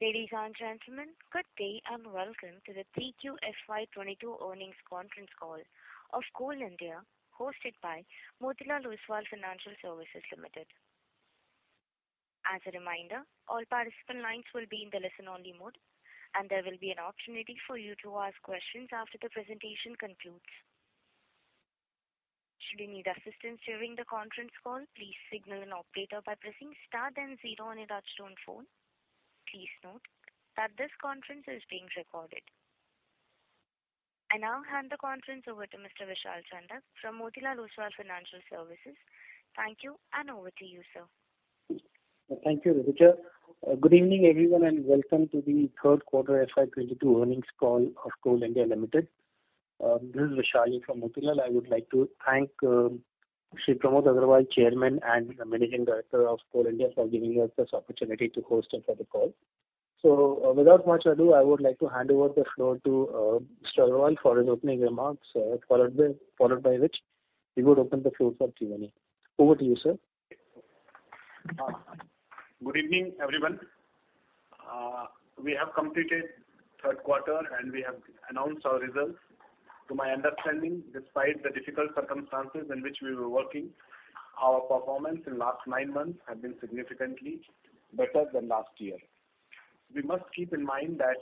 Ladies and gentlemen, good day and welcome to the 3Q FY 2022 earnings conference call of Coal India, hosted by Motilal Oswal Financial Services Limited. As a reminder, all participant lines will be in the listen only mode, and there will be an opportunity for you to ask questions after the presentation concludes. Should you need assistance during the conference call, please signal an operator by pressing star then zero on your touchtone phone. Please note that this conference is being recorded. I now hand the conference over to Mr. Vishal Chandak from Motilal Oswal Financial Services. Thank you, and over to you, sir. Thank you, Vidya. Good evening, everyone, and welcome to the third quarter FY 2022 earnings call of Coal India Limited. This is Vishal Chandak from Motilal. I would like to thank Shri Pramod Agrawal, Chairman and Managing Director of Coal India, for giving us this opportunity to host another call. Without much ado, I would like to hand over the floor to Mr. Agrawal for his opening remarks, followed by which he would open the floor for Q&A. Over to you, sir. Good evening, everyone. We have completed third quarter, and we have announced our results. To my understanding, despite the difficult circumstances in which we were working, our performance in last nine months have been significantly better than last year. We must keep in mind that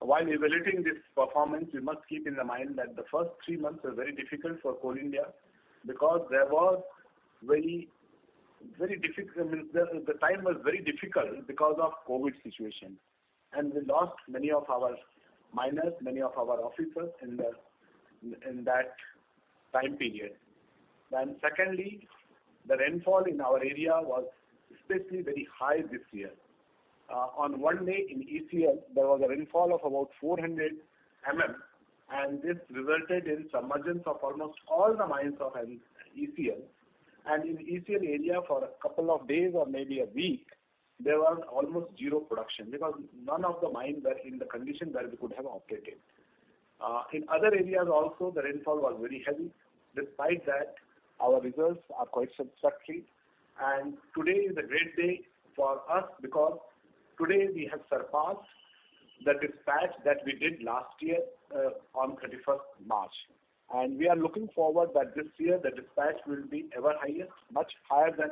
while evaluating this performance, we must keep in mind that the first three months were very difficult for Coal India because the time was very difficult because of COVID situation, and we lost many of our miners, many of our officers in that time period. Secondly, the rainfall in our area was especially very high this year. On one day in ECL, there was a rainfall of about 400 mm, and this resulted in submergence of almost all the mines of ECL. In ECL area for a couple of days or maybe a week, there was almost zero production because none of the mines were in the condition where we could have operated. In other areas also the rainfall was very heavy. Despite that, our results are quite satisfactory. Today is a great day for us because today we have surpassed the dispatch that we did last year, on 31st March. We are looking forward that this year the dispatch will be ever highest, much higher than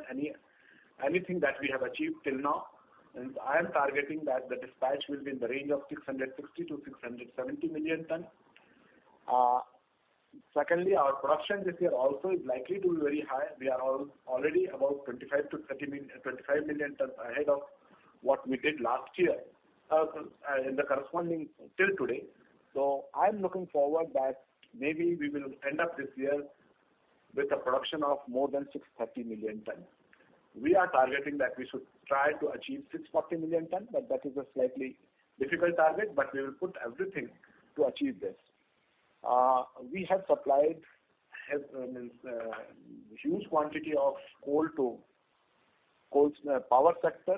anything that we have achieved till now. I am targeting that the dispatch will be in the range of 660-670 million tonne. Secondly, our production this year also is likely to be very high. We are already about 25 million-30 million tonnes ahead of what we did last year in the corresponding till today. I'm looking forward that maybe we will end up this year with a production of more than 630 million tonne. We are targeting that we should try to achieve 630 million tonne, but that is a slightly difficult target. We will put everything to achieve this. We have supplied a huge quantity of coal to power sector.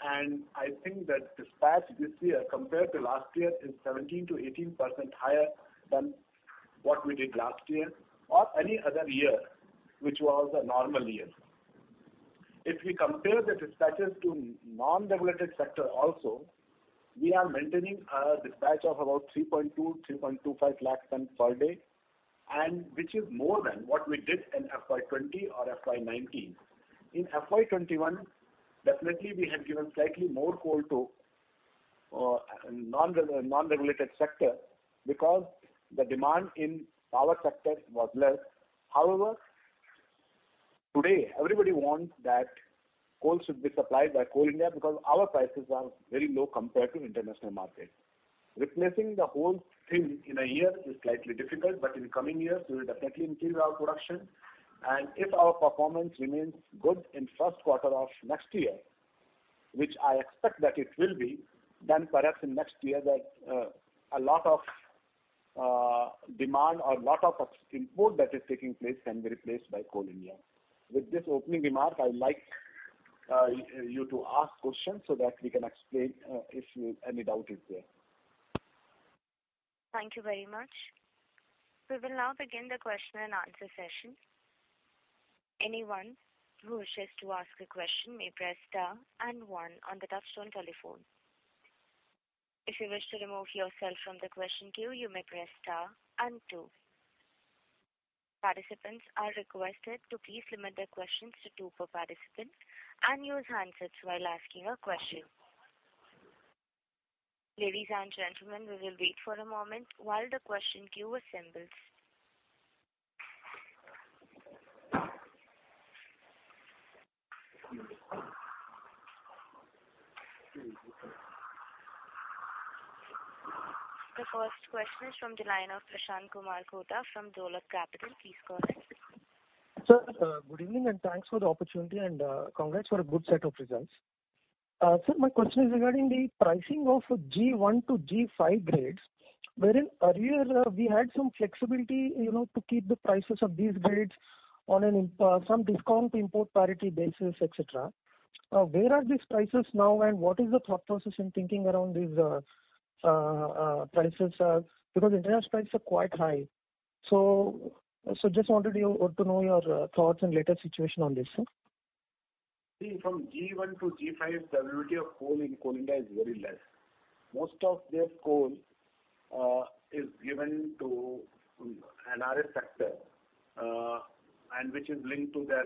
I think that dispatch this year compared to last year is 17%-18% higher than what we did last year or any other year, which was a normal year. If we compare the dispatches to non-regulated sector also, we are maintaining a dispatch of about 3.2 lakh-3.25 lakh tonnes per day, which is more than what we did in FY 2020 or FY 2019. In FY 2021, definitely we have given slightly more coal to non-regulated sector because the demand in power sector was less. However, today everybody wants that coal should be supplied by Coal India because our prices are very low compared to international market. Replacing the whole thing in a year is slightly difficult, but in the coming years we will definitely increase our production. If our performance remains good in first quarter of next year, which I expect that it will be, then perhaps in next year that a lot of demand or lot of import that is taking place can be replaced by Coal India. With this opening remark, I would like you to ask questions so that we can explain if there is any doubt. Thank you very much. We will now begin the question and answer session. Anyone who wishes to ask a question may press star and one on the touchtone telephone. If you wish to remove yourself from the question queue, you may press star and two. Participants are requested to please limit their questions to two per participant and use handsets while asking a question. Ladies and gentlemen, we will wait for a moment while the question queue assembles. The first question is from the line of Prashanth Kota from Dolat Capital. Please go ahead. Sir, good evening, and thanks for the opportunity, and congrats for a good set of results. Sir, my question is regarding the pricing of G1 to G5 grades, wherein earlier we had some flexibility, you know, to keep the prices of these grades on some discount to import parity basis, et cetera. Where are these prices now, and what is the thought process in thinking around these prices, because international prices are quite high? Just wanted you to know your thoughts and latest situation on this, sir. See, from G1 to G5, availability of coal in Coal India is very less. Most of their coal is given to NRS sector, and which is linked to their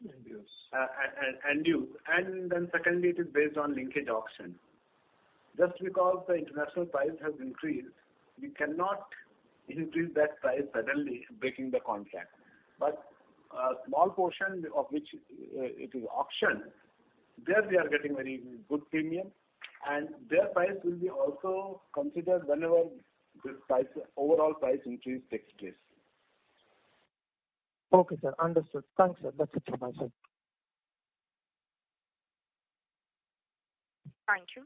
Indues. Indues. Secondly, it is based on linkage auction. Just because the international price has increased, we cannot increase that price suddenly breaking the contract. But a small portion of which, it is auctioned, there they are getting very good premium, and their price will be also considered whenever this price, overall price increase takes place. Okay, sir. Understood. Thanks, sir. That's it from my side. Thank you.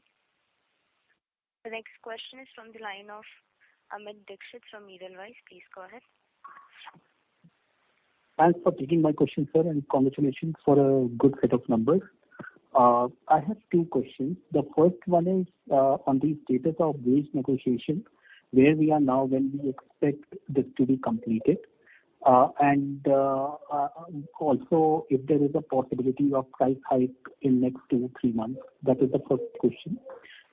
The next question is from the line of Amit Dixit from Edelweiss. Please go ahead. Thanks for taking my question, sir, and congratulations for a good set of numbers. I have two questions. The first one is, on the status of wage negotiation, where we are now, when we expect this to be completed? Also if there is a possibility of price hike in next two, three months? That is the first question.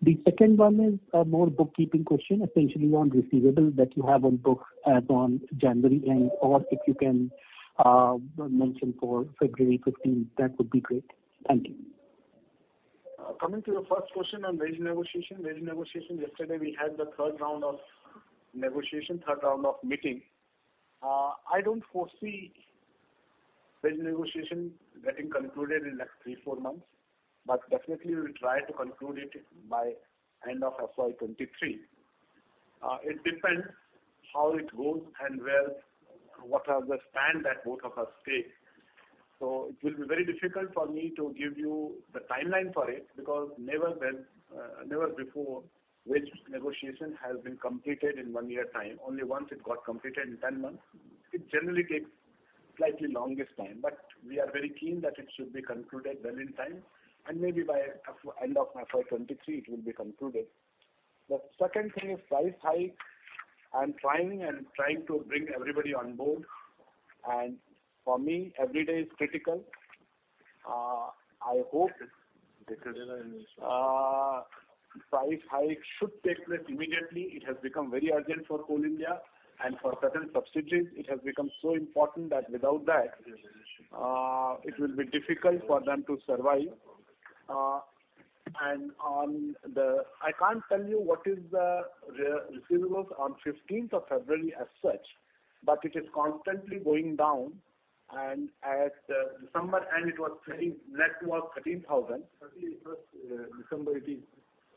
The second one is a more bookkeeping question, essentially on receivables that you have on books, on January end, or if you can, mention for February 15th, that would be great. Thank you. Coming to the first question on wage negotiation. Wage negotiation. Yesterday we had the third round of meeting. I don't foresee wage negotiation getting concluded in next 3-4 months, but definitely we'll try to conclude it by end of FY 2023. It depends how it goes and where the stand that both of us take. So it will be very difficult for me to give you the timeline for it because never before wage negotiation has been completed in one year time. Only once it got completed in 10 months. It generally takes slightly longest time. We are very keen that it should be concluded well in time and maybe by FY end of FY 2023 it will be concluded. The second thing is price hike. I'm trying to bring everybody on board, and for me, every day is critical. I hope price hike should take place immediately. It has become very urgent for Coal India and for certain subsidiaries. It has become so important that without that, it will be difficult for them to survive. I can't tell you what is the receivables on fifteenth of February as such, but it is constantly going down. At December end it was INR 13, net was 13,000. 31st December, it is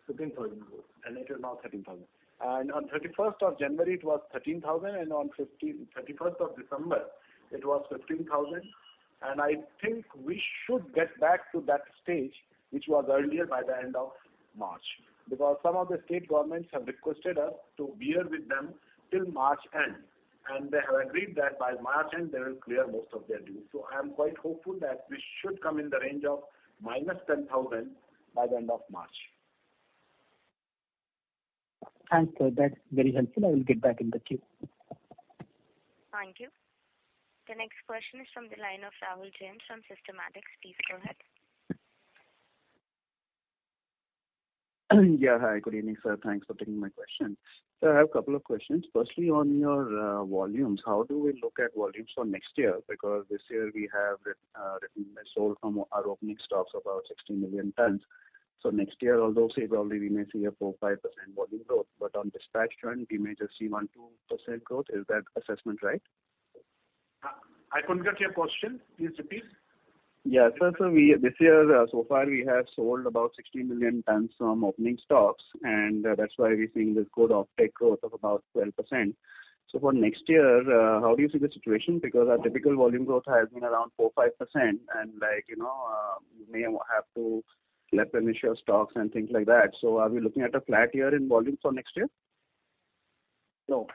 15,000. It is now 13,000. On 31st of January it was 13,000. On 31st of December it was 15,000. I think we should get back to that stage, which was earlier by the end of March. Some of the state governments have requested us to bear with them till March end, and they have agreed that by March end they will clear most of their dues. I am quite hopeful that we should come in the range of -10,000 by the end of March. Thanks, sir. That's very helpful. I will get back in the queue. Thank you. The next question is from the line of Rahul Jain from Systematix. Please go ahead. Yeah, hi. Good evening, sir. Thanks for taking my question. Sir, I have a couple of questions. Firstly, on your volumes, how do we look at volumes for next year? Because this year we have sold from our opening stocks about 16 million tonnes. Next year, although say probably we may see a 4%-5% volume growth, but on dispatch front we may just see 1%-2% growth. Is that assessment right? I couldn't get your question. Please repeat. This year so far we have sold about 16 million tonnes from opening stocks, and that's why we're seeing this good offtake growth of about 12%. For next year, how do you see the situation? Because our typical volume growth has been around 4-5%. Like, you know, we may have to replenish our stocks and things like that. Are we looking at a flat year in volume for next year? No.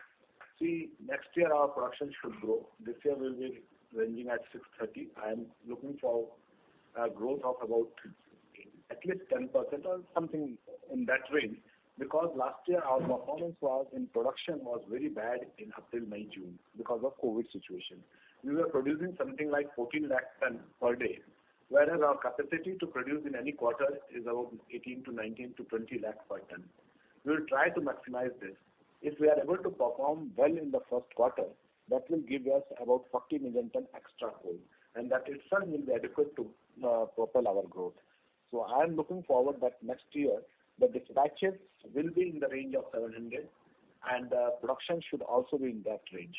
See, next year our production should grow. This year we'll be ranging at 630. I am looking for a growth of about at least 10% or something in that range. Because last year our performance in production was very bad in April, May, June because of COVID situation. We were producing something like 14 lakh tonnes per day, whereas our capacity to produce in any quarter is about INR 18-19-20 lakh tonnes. We'll try to maximize this. If we are able to perform well in the first quarter, that will give us about 40 million tonnes extra coal, and that itself will be adequate to propel our growth. I am looking forward that next year the dispatches will be in the range of 700, and production should also be in that range.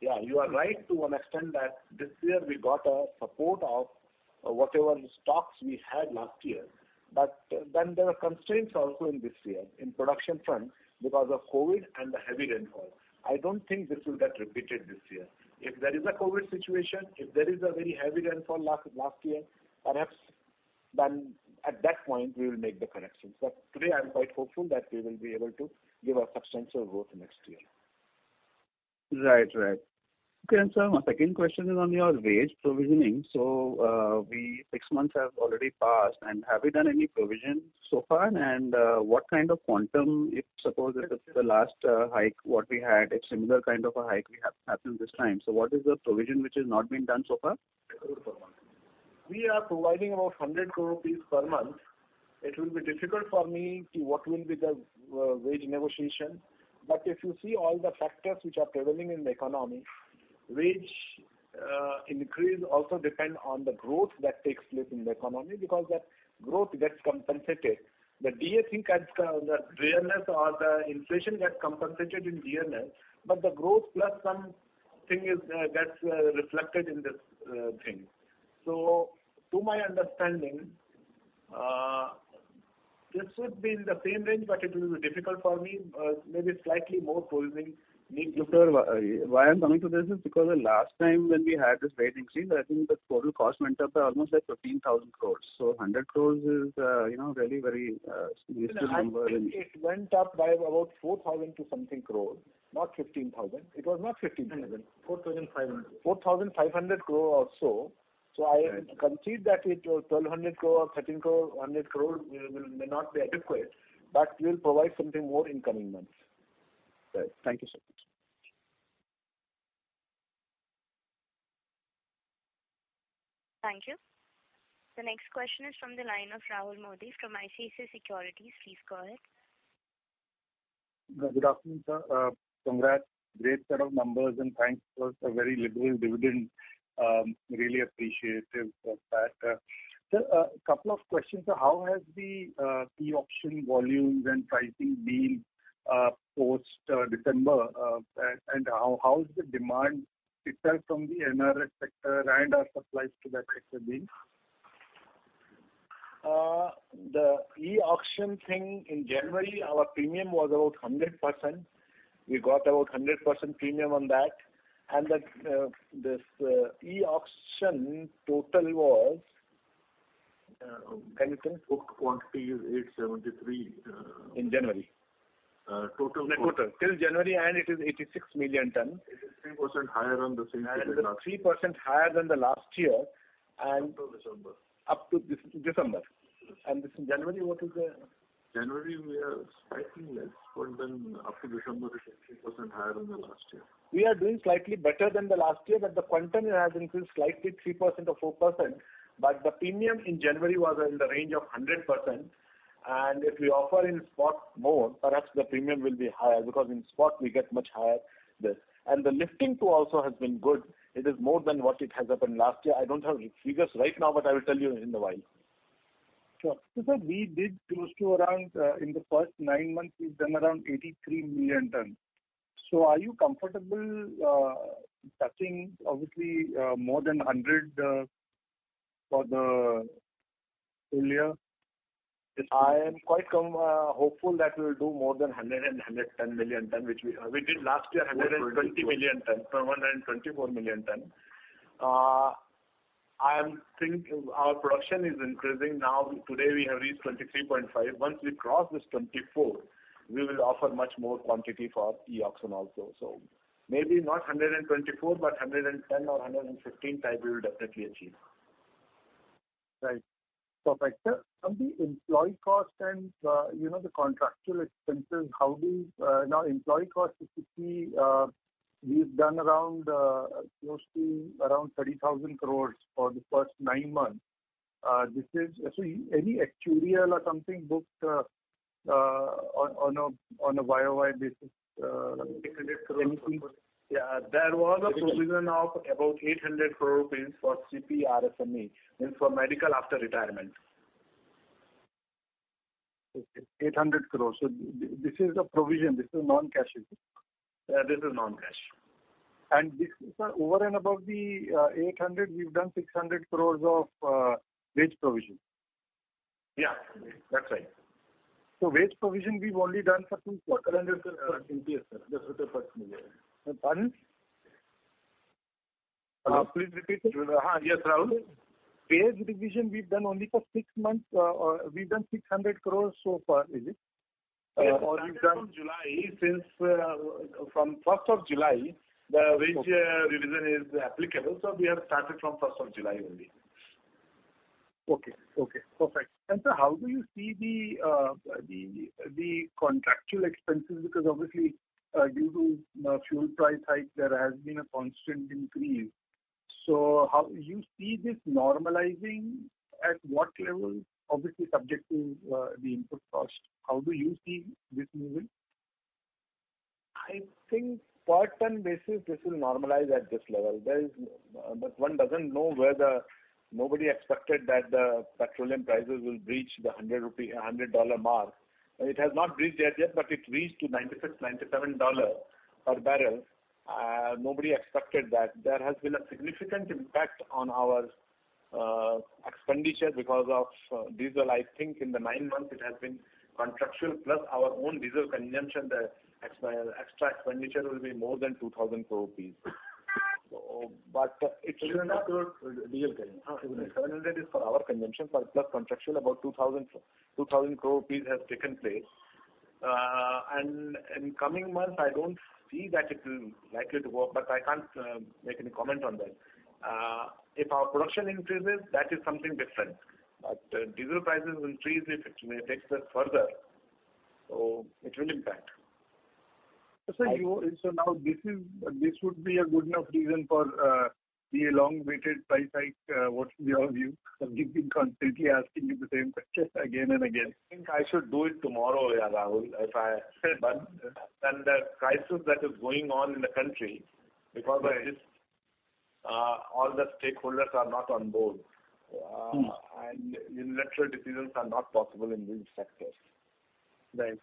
Yeah, you are right to an extent that this year we got a support of whatever stocks we had last year. There were constraints also in this year in production front because of COVID and the heavy rainfall. I don't think this will get repeated this year. If there is a COVID situation, if there is a very heavy rainfall like last year, perhaps then at that point we will make the corrections. Today I'm quite hopeful that we will be able to give a substantial growth next year. Right. Okay. Sir, my second question is on your wage provisioning. It's six months have already passed, and have you done any provision so far? What kind of quantum, if suppose it's the last hike what we had, a similar kind of a hike happened this time? What is the provision which has not been done so far? We are providing about 100 crore rupees per month. It will be difficult for me to say what the wage negotiation will be. If you see all the factors which are prevailing in the economy, wage increase also depend on the growth that takes place in the economy because that growth gets compensated. The DA, I think, has the Dearness or the inflation gets compensated in Dearness, but the growth plus something is gets reflected in this thing. To my understanding, this would be in the same range, but it will be difficult for me. Maybe slightly more provisioning need to be. Sir, why I'm coming to this is because the last time when we had this wage increase, I think the total cost went up by almost like 15,000 crore. 100 crore is, you know, really very useless number in- I think it went up by about 4,000-something crore, not 15,000 crore. It was not 15,000 crore. 4,500. 4,500 crore or so. Right. I concede that it was 1,200 crore, 13 crore, 100 crore may not be adequate, but we'll provide something more in coming months. Right. Thank you so much. Thank you. The next question is from the line of Rahul Modi from ICICI Securities. Please go ahead. Good afternoon, sir. Congrats. Great set of numbers and thanks for the very liberal dividend. Really appreciative of that. Sir, a couple of questions. How has the e-auction volumes and pricing been post December? And how is the demand itself from the NR sector and our supplies to that sector been? The e-auction thing in January, our premium was about 100%. We got about 100% premium on that. The this e-auction total was, can you tell? Booked quantity is 873. In January. Uh, total- Total. Till January, and it is 86 million tonnes. It is 3% higher on the same period last- It is 3% higher than the last year. Up to December. Up to December. Yes. This January, what is the? January, we are slightly less. Up to December, it is 3% higher than the last year. We are doing slightly better than the last year, but the quantum has increased slightly 3% or 4%, but the premium in January was in the range of 100%. If we offer in spot more, perhaps the premium will be higher because in spot we get much higher this. The lifting too also has been good. It is more than what it has happened last year. I don't have figures right now, but I will tell you in a while. Sure. Sir, we did close to around, in the 1st nine months, we've done around 83 million tonnes. Are you comfortable touching obviously more than 100 for the full year? I am quite hopeful that we'll do more than 110 million tonne, which we did last year 120 million tonne, no, 124 million tonne. I am thinking our production is increasing now. Today, we have reached 23.5. Once we cross this 24, we will offer much more quantity for e-auction also. Maybe not 124, but 110 or 115 type we will definitely achieve. Right. Perfect. Sir, on the employee cost and, you know, the contractual expenses. Now employee cost, if you see, we've done around close to around 30,000 crore for the 1st nine months. Any actuarial or something booked on a YoY basis, anything? There was a provision of about 800 crore rupees for CPRMSE, means for medical after retirement. INR 800 crore. This is a provision. This is non-cash, is it? Yeah, this is non-cash. This is over and above the 800 crore. We've done 600 crore of wage provision. Yeah, that's right. Wage provision, we've only done for six- 400 crore, sir. That's what the person said. Pardon? Hello? Please repeat. Yes, Rahul. Wage revision, we've done only for six months, or we've done 600 crore so far, is it? Yes. It started from 1st of July, since the wage revision is applicable. We have started from 1st of July only. Okay. Okay. Perfect. Sir, how do you see the contractual expenses? Because obviously, due to the fuel price hike, there has been a constant increase. How do you see this normalizing, at what level? Obviously subject to, the input cost. How do you see this moving? I think short-term basis, this will normalize at this level. One doesn't know where the petroleum prices will go. Nobody expected that the petroleum prices will breach the 100 rupee, $100 mark. It has not breached that yet, but it reached to $96-$97 per barrel. Nobody expected that. There has been a significant impact on our expenditure because of diesel. I think in the nine months it has been contractual plus our own diesel consumption, the extra expenditure will be more than 2,000 crore rupees. It should not go diesel generation. 700 is for our consumption plus contractual, about 2,000 crore rupees has taken place. In coming months, I don't see that it will likely to go up, but I can't make any comment on that. If our production increases, that is something different. Diesel prices increase if it may take us further. It will impact. Now this is this would be a good enough reason for the long-awaited price hike. What should be your view? I keep being constantly asking you the same question again and again. I think I should do it tomorrow, yeah, Rahul. The crisis that is going on in the country, because of this, all the stakeholders are not on board. Electoral decisions are not possible in this sector. Right.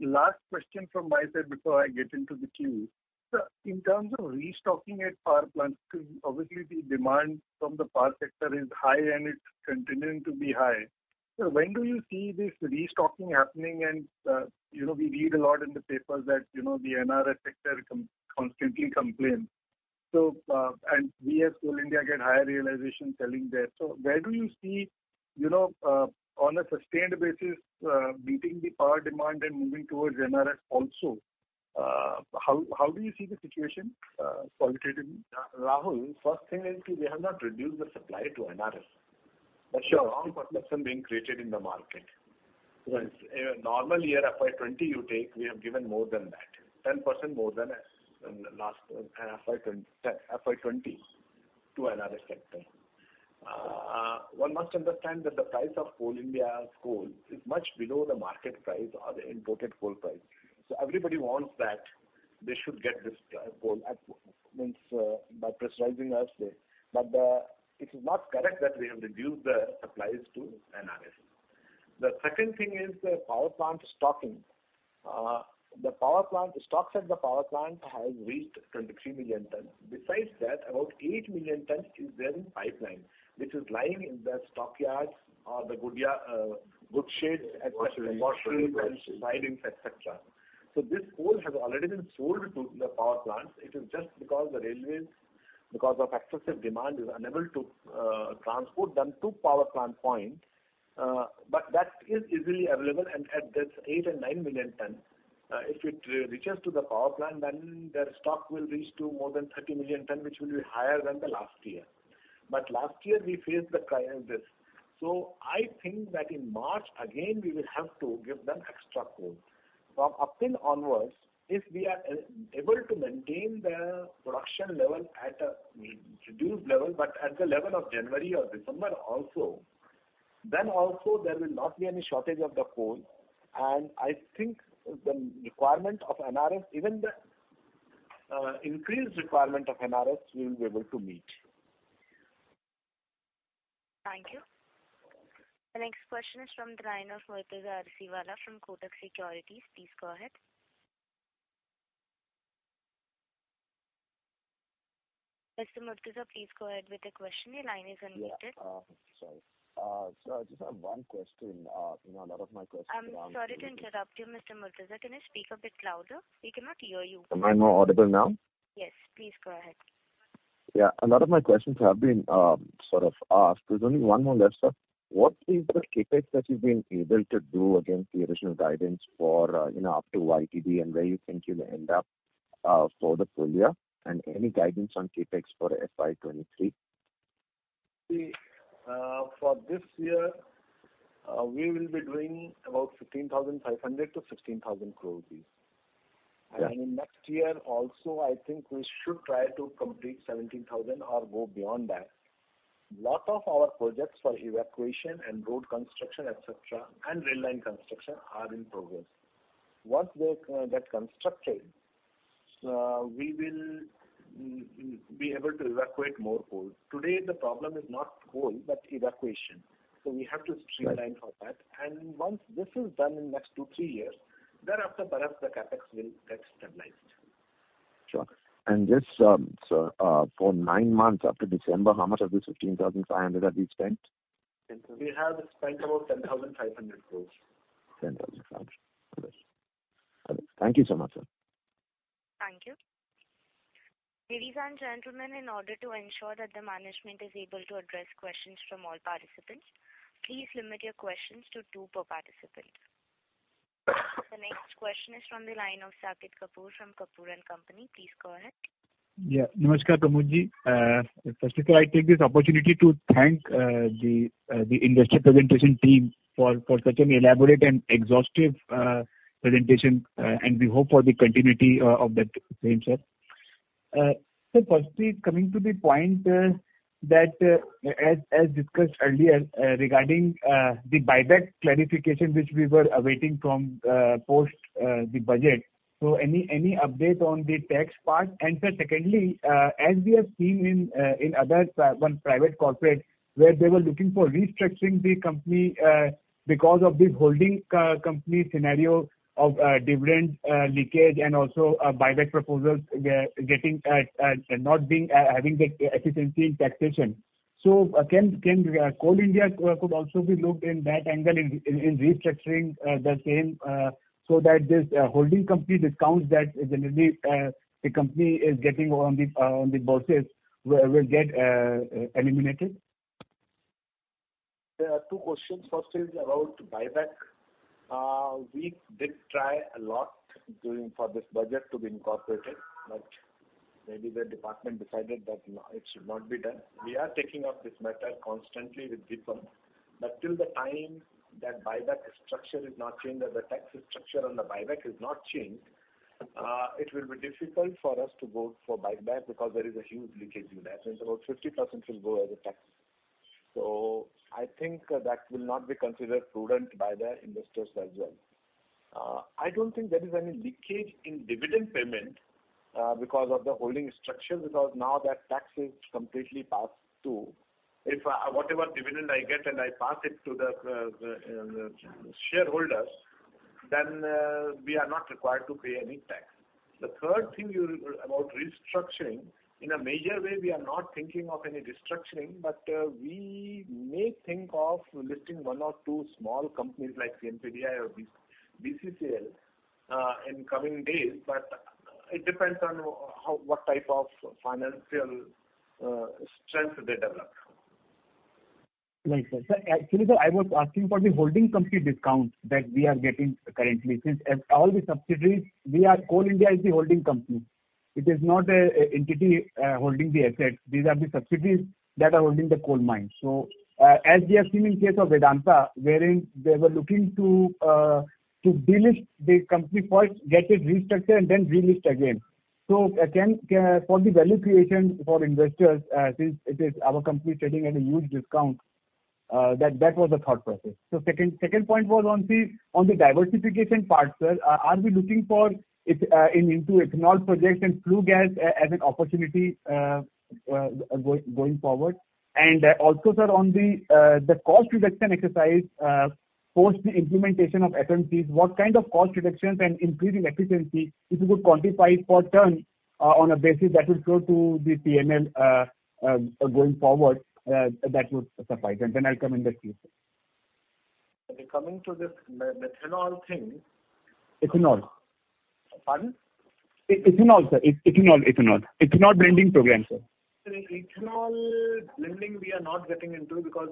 Last question from my side before I get into the queue. In terms of restocking at power plants, because obviously the demand from the power sector is high and it's continuing to be high. When do you see this restocking happening? And, you know, we read a lot in the papers that, you know, the NRS sector constantly complains. We as Coal India get higher realization selling there. Where do you see, you know, on a sustained basis, meeting the power demand and moving towards NRS also? How do you see the situation consolidating? Rahul, first thing is we have not reduced the supply to NRS. Sure. That's a wrong perception being created in the market. Right. In a normal year, FY 2020 you take, we have given more than that. 10% more than the last FY 2020 to NRS sector. One must understand that the price of Coal India's coal is much below the market price or the imported coal price. Everybody wants that they should get this coal. I mean, by pressurizing us. It is not correct that we have reduced the supplies to NRS. The second thing is the power plant stocking. The power plant stocks at the power plant has reached 23 million tonnes. Besides that, about 8 million tonnes is there in pipeline, which is lying in the stockyards or the goods sheds. Washers. Wash rooms and sidings, et cetera. This coal has already been sold to the power plants. It is just because the railways, because of excessive demand, is unable to transport them to power plant point. That is easily available. At this 8 million tonne and 9 million tonne, if it reaches to the power plant, then their stock will reach to more than 30 million tonne, which will be higher than the last year. Last year we faced this. I think that in March again, we will have to give them extra coal. From up till onwards, if we are able to maintain the production level at a reduced level, but at the level of January or December also, then also there will not be any shortage of the coal. I think the requirement of NRS, even the increased requirement of NRS, we will be able to meet. Thank you. The next question is from the line of Murtuza Arsiwalla from Kotak Securities. Please go ahead. Mr. Murtuza, please go ahead with your question. Your line is unmuted. Yeah. Sorry. Sir, I just have one question. You know, a lot of my questions have been. I'm sorry to interrupt you, Mr. Murtuza. Can you speak a bit louder? We cannot hear you. Am I more audible now? Yes, please go ahead. Yeah. A lot of my questions have been sort of asked. There's only one more left, sir. What is the CapEx that you've been able to do against the original guidance for, you know, up to YTD, and where you think you'll end up for the full year? Any guidance on CapEx for FY 2023? See, for this year, we will be doing about 15,500 crore-16,000 crore. Yeah. In next year also, I think we should try to complete 17,000 crore or go beyond that. A lot of our projects for evacuation and road construction, etc., and rail line construction are in progress. Once that constructed, we will be able to evacuate more coal. Today, the problem is not coal, but evacuation. We have to streamline for that. Right. Once this is done in next 2-3 years, thereafter, perhaps the CapEx will get stabilized. Sure. This, sir, for nine months up to December, how much of this 15,500 have we spent? We have spent about 10,500 crores. 10,005. Got it. Thank you so much, sir. Thank you. Ladies and gentlemen, in order to ensure that the management is able to address questions from all participants, please limit your questions to two per participant. The next question is from the line of Saket Kapoor from Kapoor and Company. Please go ahead. Namaskar Pramod-ji. Firstly, sir, I take this opportunity to thank the investor presentation team for such an elaborate and exhaustive presentation, and we hope for the continuity of that same, sir. Firstly, coming to the point that as discussed earlier regarding the buyback clarification which we were awaiting from post the budget. Any update on the tax part? Sir, secondly, as we have seen in other one private corporate where they were looking for restructuring the company because of the holding company scenario of dividend leakage and also buyback proposals, they're getting at not having the efficiency in taxation. Can Coal India could also be looked in that angle in restructuring the same, so that this holding company discounts that generally the company is getting on the bourses will get eliminated? There are two questions. First is about buyback. We did try a lot during this budget to be incorporated, but maybe the department decided that no, it should not be done. We are taking up this matter constantly with DIPAM. Till the time that buyback structure is not changed, that the tax structure on the buyback is not changed, it will be difficult for us to go for buyback because there is a huge leakage in that. Since about 50% will go as a tax. I think that will not be considered prudent by the investors as well. I don't think there is any leakage in dividend payment, because of the holding structure, because now that tax is completely passed to. If whatever dividend I get and I pass it to the shareholders, then we are not required to pay any tax. The third thing about restructuring. In a major way, we are not thinking of any restructuring. We may think of listing one or two small companies like CMPDI or BCCL in coming days. It depends on what type of financial strength they develop. Right, sir. Sir, actually, sir, I was asking for the holding company discount that we are getting currently. Coal India is the holding company. It is not an entity holding the assets. These are the subsidiaries that are holding the coal mine. As we have seen in case of Vedanta, wherein they were looking to delist the company, first get it restructured and then relist again. Again, for the value creation for investors, since it is our company trading at a huge discount, that was the thought process. Second point was on the diversification part, sir. Are we looking for it into ethanol projects and flue gas as an opportunity going forward? Also, sir, on the cost reduction exercise, post the implementation of FMCs, what kind of cost reductions and increase in efficiency, if you could quantify it for a tonne, on a basis that will flow to the P&L, going forward, that would suffice? Then I come in the queue, sir. Coming to this methanol thing. Ethanol. Pardon? Ethanol blending program, sir. Ethanol blending we are not getting into because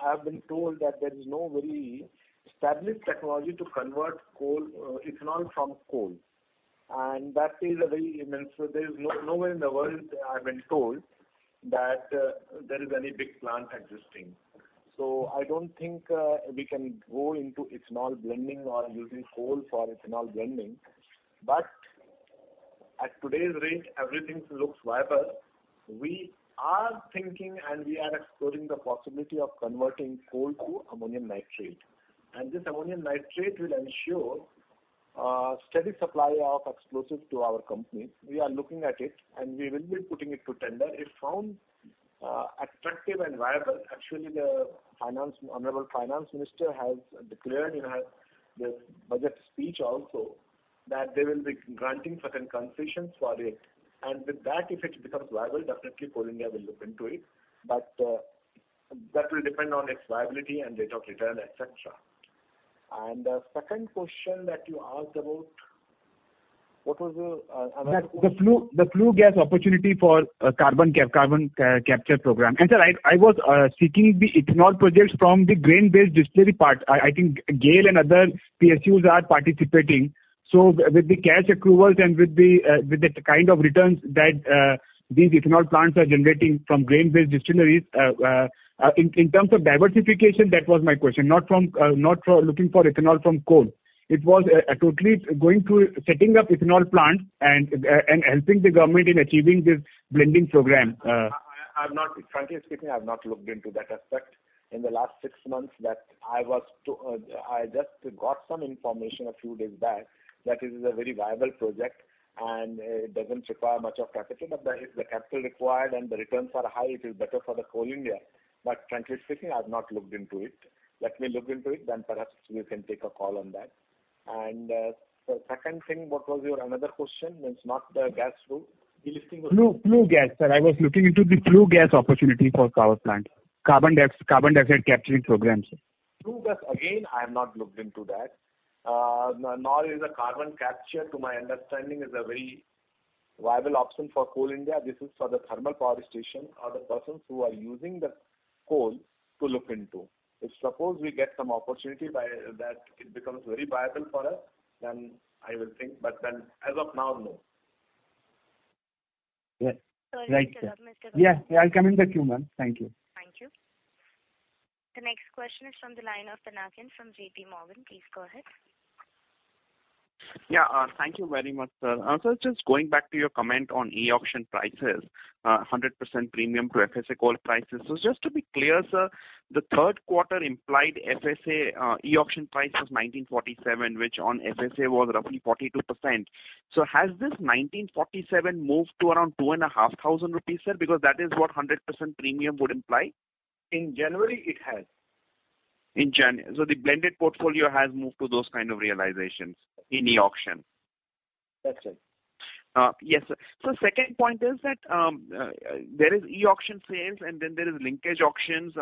I have been told that there is no very established technology to convert coal to ethanol from coal. That is a very immense. There's nowhere in the world I've been told that there is any big plant existing. I don't think we can go into ethanol blending or using coal for ethanol blending. At today's rate, everything looks viable. We are thinking, and we are exploring the possibility of converting coal to ammonium nitrate. This ammonium nitrate will ensure steady supply of explosives to our company. We are looking at it, and we will be putting it to tender if found attractive and viable. Actually, the honorable Finance Minister has declared in her Budget speech also that they will be granting certain concessions for it. With that, if it becomes viable, definitely Coal India will look into it. That will depend on its viability and rate of return, et cetera. The second question that you asked about, what was the another question? That the flue gas opportunity for carbon capture program. Sir, I was seeking the ethanol projects from the grain-based distillery part. I think GAIL and other PSUs are participating. With the cash accruals and with the kind of returns that these ethanol plants are generating from grain-based distilleries, in terms of diversification, that was my question. Not looking for ethanol from coal. It was totally going to setting up ethanol plant and helping the government in achieving this blending program. Frankly speaking, I've not looked into that aspect in the last six months that I was to. I just got some information a few days back that it is a very viable project and it doesn't require much of capital. The capital required and the returns are high, it is better for Coal India. Frankly speaking, I've not looked into it. Let me look into it, then perhaps we can take a call on that. Second thing, what was your another question? It's not the gas route. Delisting was. Flue gas, sir. I was looking into the flue gas opportunity for power plant. Carbon dioxide capturing program, sir. Flue gas, again, I have not looked into that. Nor is the carbon capture, to my understanding, is a very viable option for Coal India. This is for the thermal power station or the persons who are using the coal to look into. If suppose we get some opportunity by that it becomes very viable for us, then I will think. As of now, no. Yes. Right, sir. Sorry, Mr. [Kapoor]. Yeah. Yeah, I'll come in the queue, ma'am. Thank you. Thank you. The next question is from the line of Pinakin from JPMorgan. Please go ahead. Yeah. Thank you very much, sir. Just going back to your comment on e-auction prices, 100% premium to FSA coal prices. Just to be clear, sir, the third quarter implied FSA e-auction price was 1,947, which on FSA was roughly 42%. Has this 1,947 moved to around 2,500 rupees, sir? Because that is what 100% premium would imply. In January, it has. In January. The blended portfolio has moved to those kind of realizations in e-auction? That's right. Yes. Second point is that there is e-auction sales and then there is linkage auctions.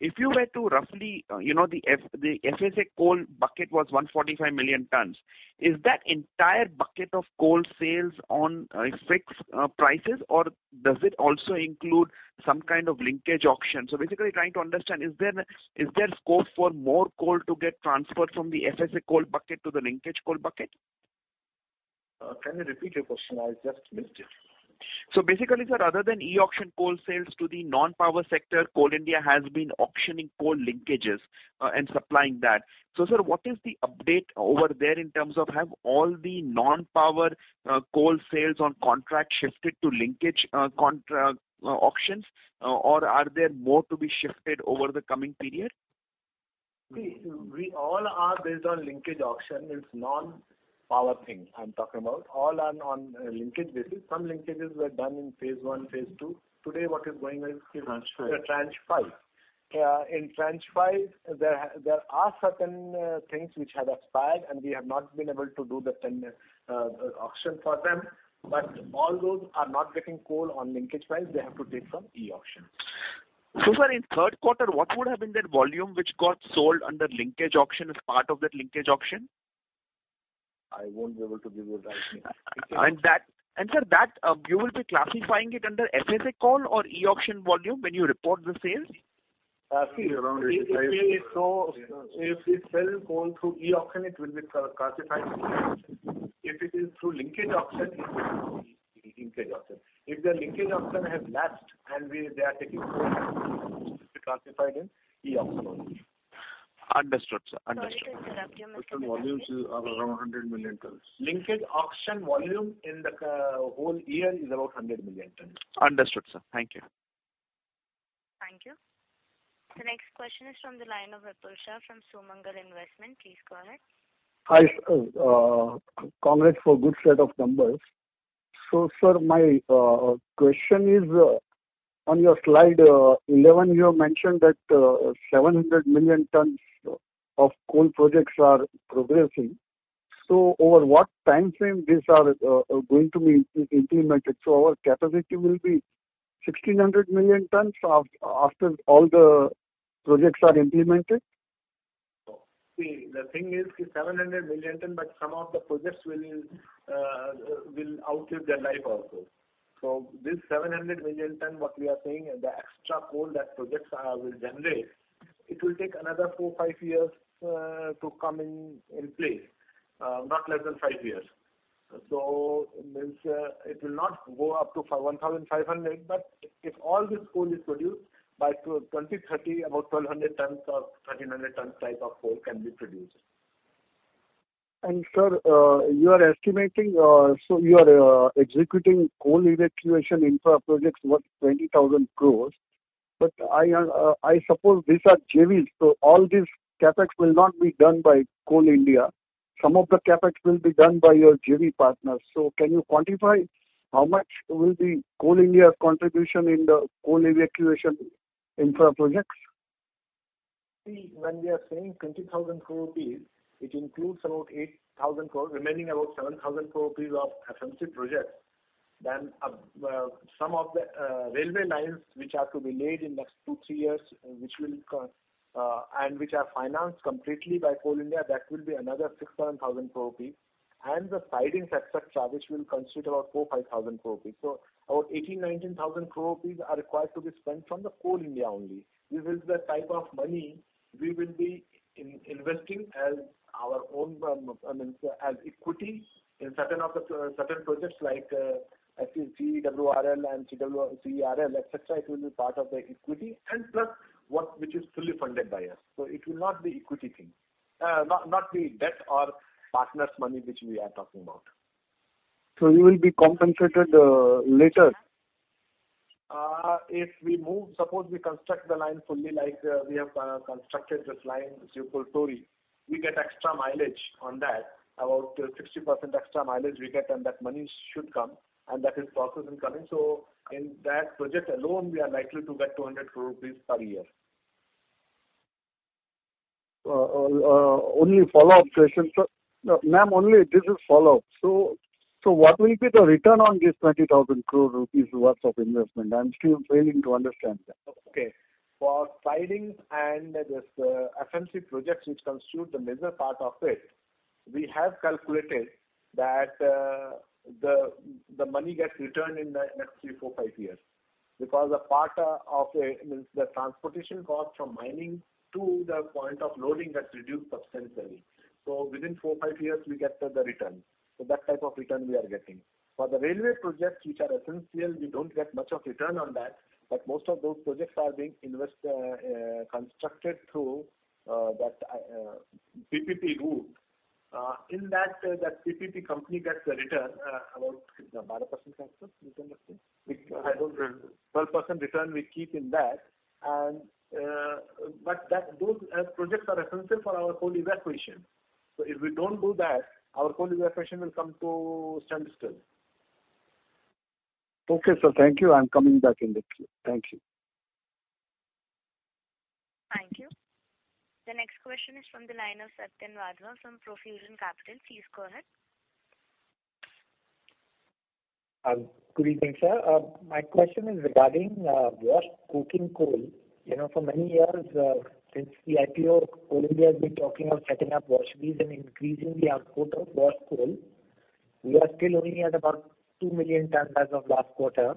If you were to roughly, you know, the FSA coal bucket was 145 million tonnes. Is that entire bucket of coal sales on fixed prices, or does it also include some kind of linkage auction? Basically trying to understand, is there scope for more coal to get transferred from the FSA coal bucket to the linkage coal bucket? Can you repeat your question? I just missed it. Basically, sir, other than e-auction coal sales to the non-power sector, Coal India has been auctioning coal linkages and supplying that. Sir, what is the update over there in terms of have all the non-power coal sales on contract shifted to linkage auctions, or are there more to be shifted over the coming period? We all are based on linkage auction. It's non-power thing I'm talking about. All are on linkage basis. Some linkages were done in phase one, phase two. Today, what is going is- Tranche V. Tranche V. Yeah, in Tranche V, there are certain things which have expired, and we have not been able to do the tender auction for them. All those are not getting coal on linkage price. They have to take from e-auction. So far in third quarter, what would have been that volume which got sold under linkage auction as part of that linkage auction? I won't be able to give you that. Sir, you will be classifying it under FSA coal or e-auction volume when you report the sales? See, if it is so, if we sell coal through e-auction, it will be classified. If it is through linkage auction, it will be linkage auction. If the linkage auction has lapsed and they are taking it will be classified in e-auction only. Understood, sir. Understood. Sorry to interrupt you, Mr. Linkage auction volume in the whole year is about 100 million tonnes. Understood, sir. Thank you. Thank you. The next question is from the line of Vipul Shah from Sumangal Investments. Please go ahead. Hi, sir. Congrats for good set of numbers. Sir, my question is on your slide 11, you have mentioned that 700 million tonnes of coal projects are progressing. Over what time frame these are going to be implemented? Our capacity will be 1,600 million tonnes after all the projects are implemented? See, the thing is 700 million tonnes, but some of the projects will outlive their life also. This 700 million tonnes, what we are saying, and the extra coal that projects will generate, it will take another 4-5 years to come in place, not less than five years. It will not go up to 1,500, but if all this coal is produced by 2030, about 1,200 tonnes or 1,300 tonnes type of coal can be produced. Sir, you are estimating so you are executing coal evacuation infra projects worth 20,000 crore. I suppose these are JVs, so all this CapEx will not be done by Coal India. Some of the CapEx will be done by your JV partners. Can you quantify how much will be Coal India's contribution in the coal evacuation infra projects? When we are saying 20,000 crore rupees, it includes about 8,000 crore, remaining about 7,000 crore rupees of FMC projects. Some of the railway lines which are to be laid in next two, three years, which will and which are financed completely by Coal India, that will be another 6,000 crore-7,000 crore rupees. The sidings, et cetera, which will constitute about 4,000 crore-5,000 crore. About 18,000 crore-19,000 crore are required to be spent from the Coal India only. This is the type of money we will be investing as our own, I mean, as equity in certain projects like CEWRL and CERL, et cetera, it will be part of the equity. Plus, which is fully funded by us. It will not be equity thing. Not the debt or partners' money which we are talking about. You will be compensated later? If we move, suppose we construct the line fully like we have constructed this line, Jharsuguda-Barpali-Sardega, we get extra mileage on that. About 60% extra mileage we get, and that money should come, and that is in process, incoming. In that project alone, we are likely to get 200 crore rupees per year. Only follow-up question. Ma'am, only this is follow-up. What will be the return on this 20,000 crore rupees worth of investment? I'm still failing to understand that. Okay. For sidings and this FMC projects which constitute the major part of it, we have calculated that the money gets returned in the next 3-5 years. Because the transportation cost from mining to the point of loading gets reduced substantially. Within 4-5 years, we get the return. That type of return we are getting. For the railway projects, which are essential, we don't get much of return on that, but most of those projects are being constructed through that PPP route. In that PPP company gets a return about 12% return I think. I don't remember. 12% return we keep in that and but those projects are essential for our coal evacuation. If we don't do that, our coal evacuation will come to standstill. Okay, sir. Thank you. I'm coming back in the queue. Thank you. Question is from the line of Satyan Wadhwa from Profusion Capital. Please go ahead. Good evening, sir. My question is regarding washed coking coal. You know, for many years, since the IPO, Coal India has been talking of setting up washeries and increasing the output of washed coal. We are still only at about 2 million tonnes as of last quarter,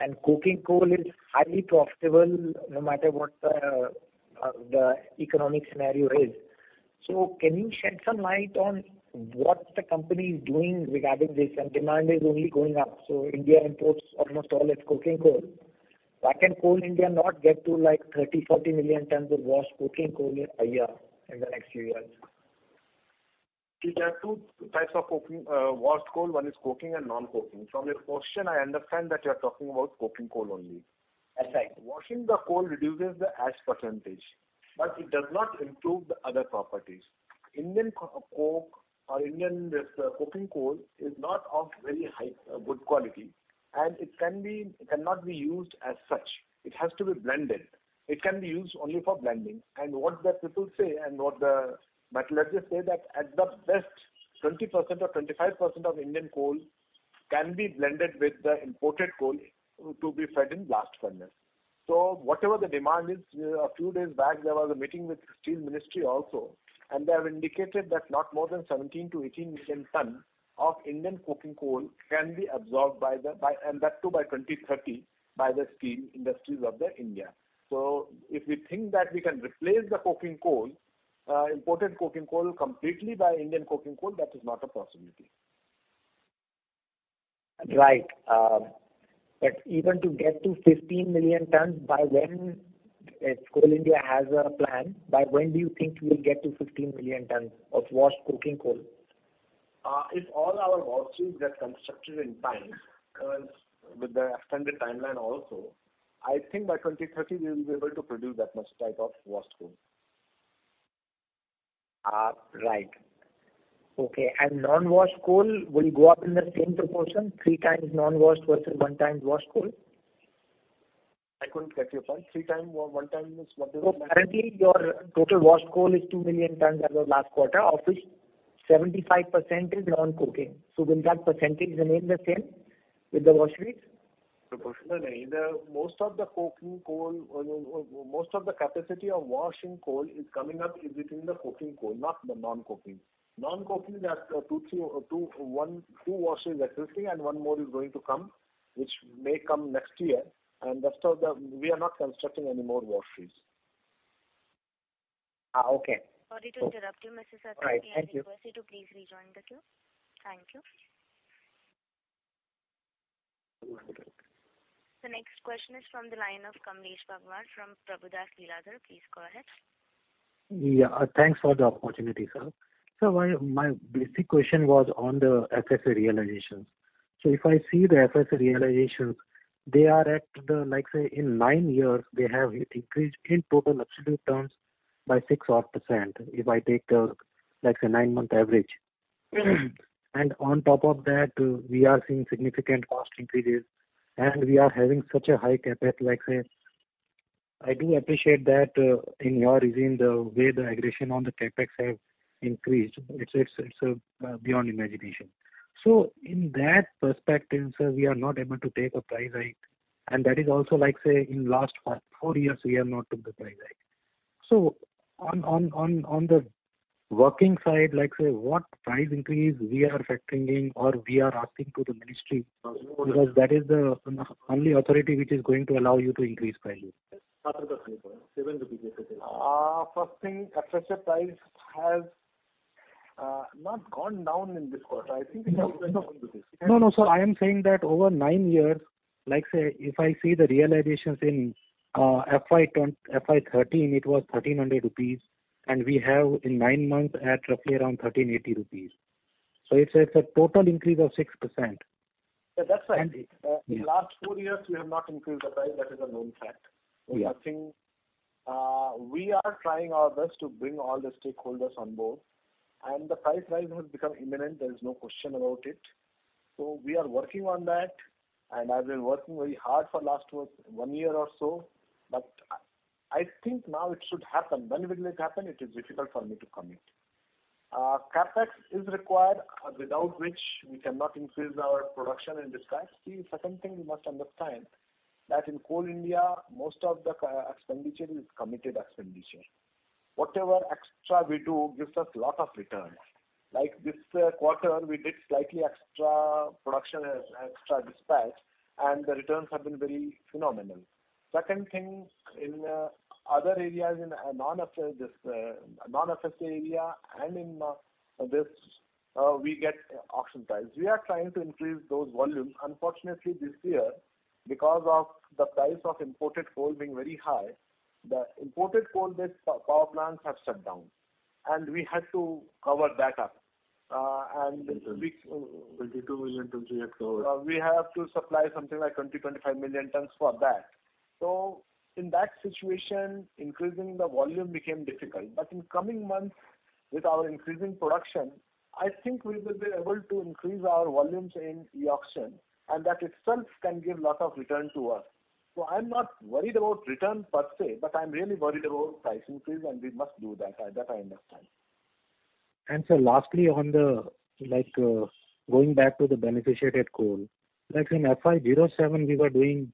and coking coal is highly profitable no matter what the economic scenario is. Can you shed some light on what the company is doing regarding this? Demand is only going up, so India imports almost all its coking coal. Why can Coal India not get to, like, 30, 40 million tonnes of washed coking coal a year in the next few years? There are two types of coking washed coal. One is coking and non-coking. From your question, I understand that you are talking about coking coal only. That's right. Washing the coal reduces the ash percentage, but it does not improve the other properties. Indian coking coal is not of very good quality, and it cannot be used as such. It has to be blended. It can be used only for blending. What the people say and what the metallurgists say that at the best, 20% or 25% of Indian coal can be blended with the imported coal to be fed in blast furnace. Whatever the demand is, a few days back, there was a meeting with Ministry of Steel also, and they have indicated that not more than 17-18 million tonnes of Indian coking coal can be absorbed by the steel industries of India, and that too by 2030. If we think that we can replace the coking coal, imported coking coal completely by Indian coking coal, that is not a possibility. Right. Even to get to 15 million tonnes, by when, if Coal India has a plan, by when do you think you will get to 15 million tonnes of washed coking coal? If all our washeries get constructed in time, with the extended timeline also, I think by 2030 we will be able to produce that much type of washed coal. Right. Okay, non-washed coal will go up in the same proportion, three times non-washed versus one time washed coal? I couldn't get you. Sorry. Three times or one time is what. Currently, your total washed coal is 2 million tonnes as of last quarter, of which 75% is non-coking. Will that percentage remain the same with the washies? The question is whether most of the coking coal or most of the capacity of washery coal is coming up between the coking coal, not the non-coking. Non-coking, there are two or three washeries existing, and one more is going to come, which may come next year. That's all. We are not constructing any more washeries. Okay. Sorry to interrupt you, Mr. Satyan. All right. Thank you. We request you to please rejoin the queue. Thank you. The next question is from the line of Kamlesh Bagmar from Prabhudas Lilladher. Please go ahead. Yeah. Thanks for the opportunity, sir. My basic question was on the FSA realizations. If I see the FSA realizations, they are at the, like, say, in nine years, they have increased in total absolute terms by six odd percent, if I take, like, say, nine-month average. On top of that, we are seeing significant cost increases, and we are having such a high CapEx. Like, say, I do appreciate that, in your regime, the way the aggression on the CapEx have increased, it's beyond imagination. In that perspective, sir, we are not able to take a price hike, and that is also like, say, in last four years, we have not took the price hike. On the working side, like, say, what price increase we are factoring in or we are asking to the ministry, because that is the only authority which is going to allow you to increase prices. First thing, the pressure price has not gone down in this quarter. I think it has gone up a bit. No, no, sir. I am saying that over nine years, like, say, if I see the realizations in FY 2013, it was 1,300 rupees, and we have in nine months at roughly around 1,380 rupees. It's a total increase of 6%. Yeah, that's right. And- In the last four years, we have not increased the price. That is a known fact. Yeah. We are trying our best to bring all the stakeholders on board, and the price rise has become imminent. There is no question about it. We are working on that, and I've been working very hard for last one year or so. I think now it should happen. When will it happen? It is difficult for me to commit. CapEx is required, without which we cannot increase our production and dispatch. See, second thing you must understand, that in Coal India, most of the expenditure is committed expenditure. Whatever extra we do gives us lot of returns. Like this quarter, we did slightly extra production, extra dispatch, and the returns have been very phenomenal. Second thing, in other areas, in non-FSA, this non-FSA area and in this, we get auction price. We are trying to increase those volumes. Unfortunately, this year, because of the price of imported coal being very high, the imported coal-based power plants have shut down, and we had to cover that up. 22 million to 300. We have to supply something like 20-25 million tonnes for that. In that situation, increasing the volume became difficult. In coming months, with our increasing production, I think we will be able to increase our volumes in e-auction, and that itself can give lot of return to us. I'm not worried about return per se, but I'm really worried about price increase, and we must do that. That I understand. Sir, lastly, on the, like, going back to the beneficiated coal. Like in FY 2007 we were doing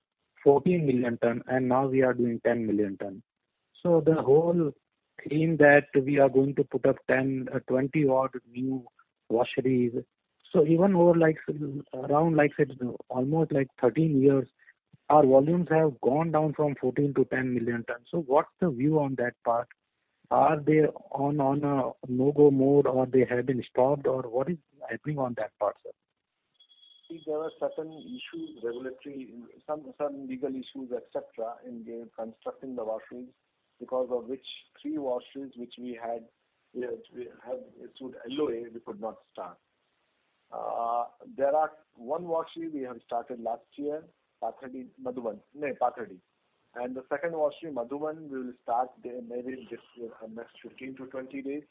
14 million tonnes, and now we are doing 10 million tonnes. The whole claim that we are going to put up 10, 20-odd new washeries. Even over like say around, like say, almost like 13 years, our volumes have gone down from 14-10 million tonnes. What's the view on that part? Are they on a no-go mode or they have been stopped, or what is happening on that part, sir? See, there were certain issues, regulatory, some legal issues, et cetera, in constructing the washeries. Because of which three washeries which we had issued LOA, we could not start. There is one washery we have started last year, Patherdih, Madhuban. No, Patherdih. The second washery, Madhuban, we'll start there maybe just next 15-20 days.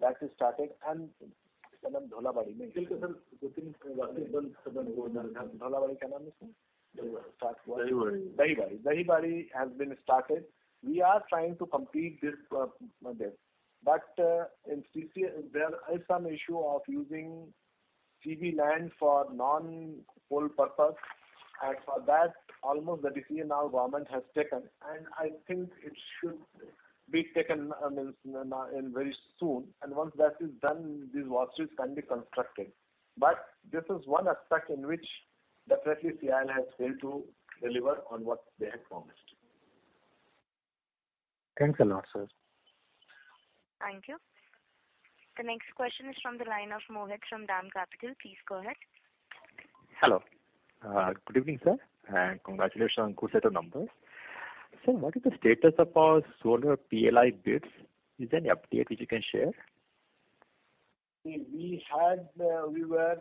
That is started and Dahibari. Dahibari. Can I miss it? Dahibari. Dahibari has been started. We are trying to complete this there. In CCL, there is some issue of using CBA land for non-coal purpose. For that, the decision our government has almost taken, and I think it should be taken, I mean, now, and very soon. Once that is done, these washeries can be constructed. This is one aspect in which definitely CIL has failed to deliver on what they had promised. Thanks a lot, sir. Thank you. The next question is from the line of Mohit from DAM Capital. Please go ahead. Hello. Good evening, sir, and congratulations on good set of numbers. What is the status of our solar PLI bids? Is there any update which you can share? We were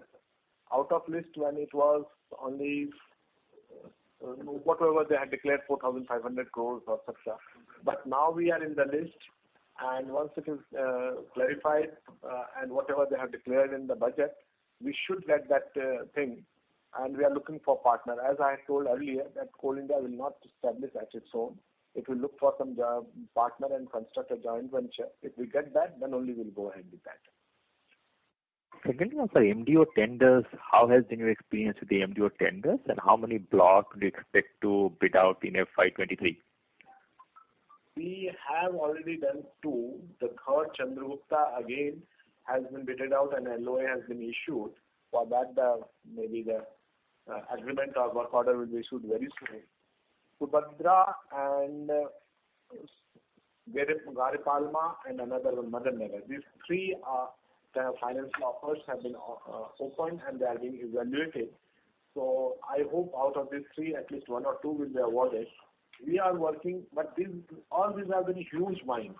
out of list when it was only whatever they had declared 4,500 crores or such. Now we are in the list, and once it is clarified and whatever they have declared in the budget, we should get that thing. We are looking for partner. As I told earlier, that Coal India will not establish on its own. It will look for some partner and construct a joint venture. If we get that, then only we'll go ahead with that. Secondly, on MDO tenders, sir, how has been your experience with the MDO tenders, and how many blocks do you expect to bid out in FY 2023? We have already done two. The third, Chandragupta, again, has been bid out and LOA has been issued. For that, maybe the agreement or work order will be issued very soon. Subhadra and Garipalma and another one, Mahanagar. These three are, their financial offers have been opened and they are being evaluated. I hope out of these three, at least one or two will be awarded. We are working, but these, all these are very huge mines.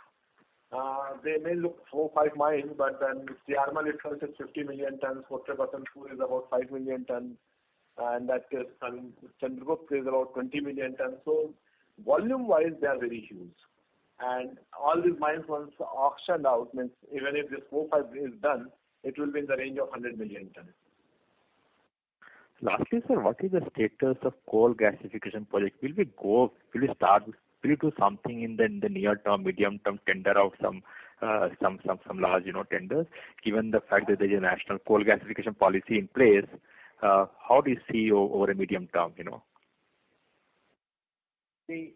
They may look four, five mines, but then Siarmal itself is 50 million tonnes. Kotra Pattan two is about 5 million tonnes. And that, Chandragupta is about 20 million tonnes. So volume-wise, they are very huge. All these mines once auctioned out, means even if this four, five is done, it will be in the range of 100 million tonnes. Lastly, sir, what is the status of coal gasification project? Will we go, will we start, will you do something in the near term, medium term, tender out some large, you know, tenders? Given the fact that there's a national coal gasification policy in place, how do you see over a medium term, you know? See,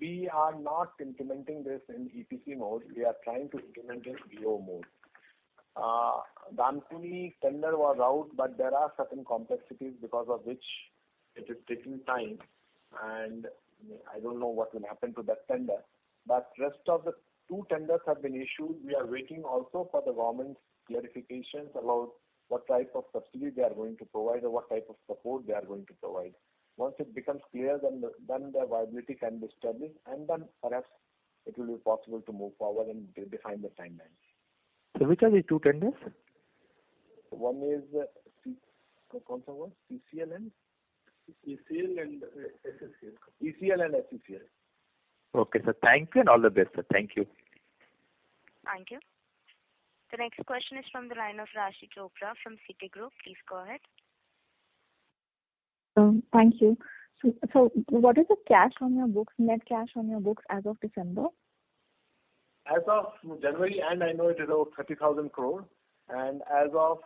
we are not implementing this in EPC mode. We are trying to implement in BOO mode. Dankuni tender was out, but there are certain complexities because of which it is taking time. I don't know what will happen to that tender. Rest of the two tenders have been issued. We are waiting also for the government's clarifications about what type of subsidy they are going to provide or what type of support they are going to provide. Once it becomes clear, then the viability can be established, and then perhaps it will be possible to move forward and define the timeline. Which are the two tenders? One is CCL and. CCL and SCCL? CCL and SCCL. Okay, sir. Thank you and all the best, sir. Thank you. Thank you. The next question is from the line of Raashi Chopra from Citigroup. Please go ahead. Thank you. What is the cash on your books, net cash on your books as of December? As of January end, I know it is over 30,000 crore. As of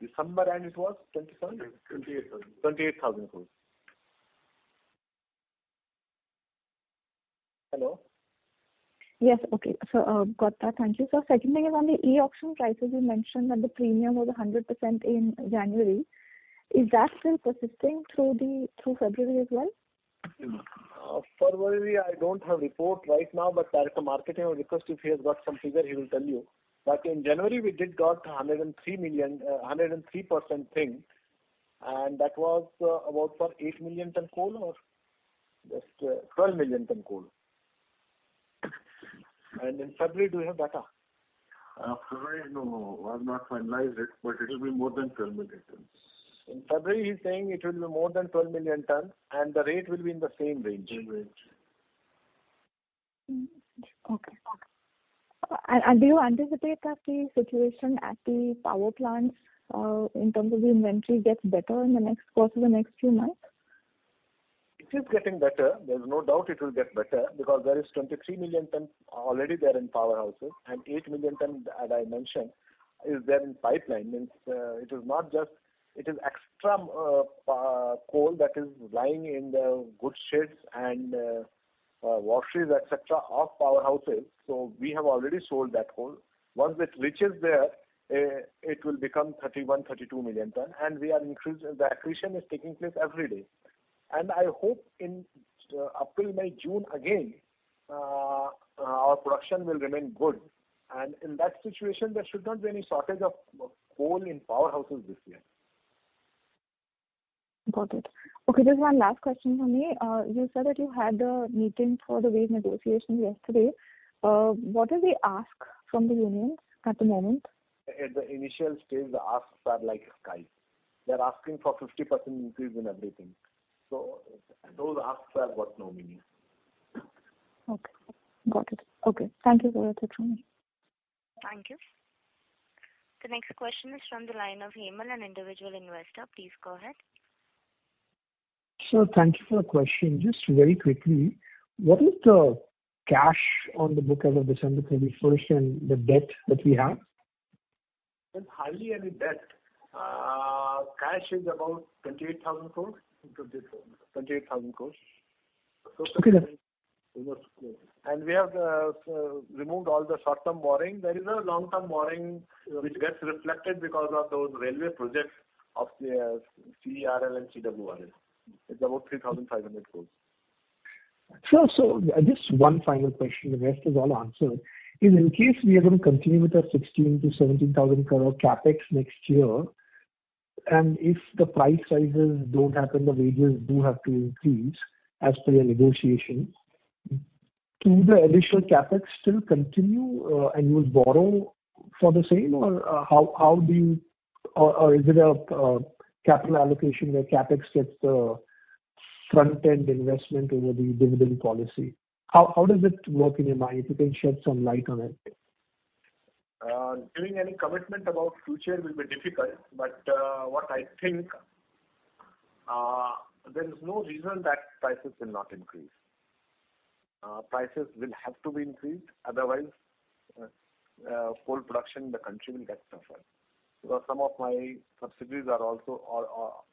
December end it was 27,000 crore? 28,000 crore. INR 28,000 crore. Hello? Yes. Okay. Got that. Thank you. Second thing is on the e-auction prices, you mentioned that the premium was 100% in January. Is that still persisting through February as well? February, I don't have report right now, but Director Marketing, request if he has got some figure, he will tell you. In January, we did got 103 million, 103% thing, and that was about 48 million tonne coal or- Just, uh- 12 million tonne coal. In February, do you have data? Uh No, no, I've not finalized it, but it will be more than 12 million tonnes. In February, he's saying it will be more than 12 million tonnes, and the rate will be in the same range. Same range. Okay. Do you anticipate that the situation at the power plants, in terms of the inventory gets better in the course of the next few months? It is getting better. There's no doubt it will get better because there is 23 million tonnes already there in powerhouses, and 8 million tonnes, as I mentioned, is there in pipeline. It is not just extra coal that is lying in the goods sheds and washers, etc., of powerhouses. So we have already sold that coal. Once it reaches there, it will become 31-32 million tonnes, and the accretion is taking place every day. I hope in April, May, June again, our production will remain good. In that situation, there should not be any shortage of coal in powerhouses this year. Got it. Okay, just one last question from me. You said that you had a meeting for the wage negotiation yesterday. What is the ask from the unions at the moment? At the initial stage, the asks are like sky. They're asking for 50% increase in everything. Those asks have got no meaning. Okay. Got it. Okay. Thank you so much. That's all from me. Thank you. The next question is from the line of Hemal, an individual investor. Please go ahead. Sir, thank you for the question. Just very quickly, what is the cash on the books as of December 31st and the debt that we have? There's hardly any debt. Cash is about 28,000 crore. 28,000 crore. INR 28,000 crore. Okay. We have removed all the short-term borrowing. There is a long-term borrowing which gets reflected because of those railway projects of the CERL and CEWRL. It's about 3,500 crore. Sure. Just one final question, the rest is all answered, is in case we are gonna continue with our 16,000 crore-17,000 crore CapEx next year, and if the price rises don't happen, the wages do have to increase as per your negotiations. Do the initial CapEx still continue, and you'll borrow for the same? Or, how do you. Or is it a capital allocation where CapEx gets the front-end investment over the dividend policy? How does it work in your mind? If you can shed some light on it. Giving any commitment about future will be difficult. What I think, there's no reason that prices will not increase. Prices will have to be increased, otherwise, coal production in the country will get suffered. Some of my subsidiaries are also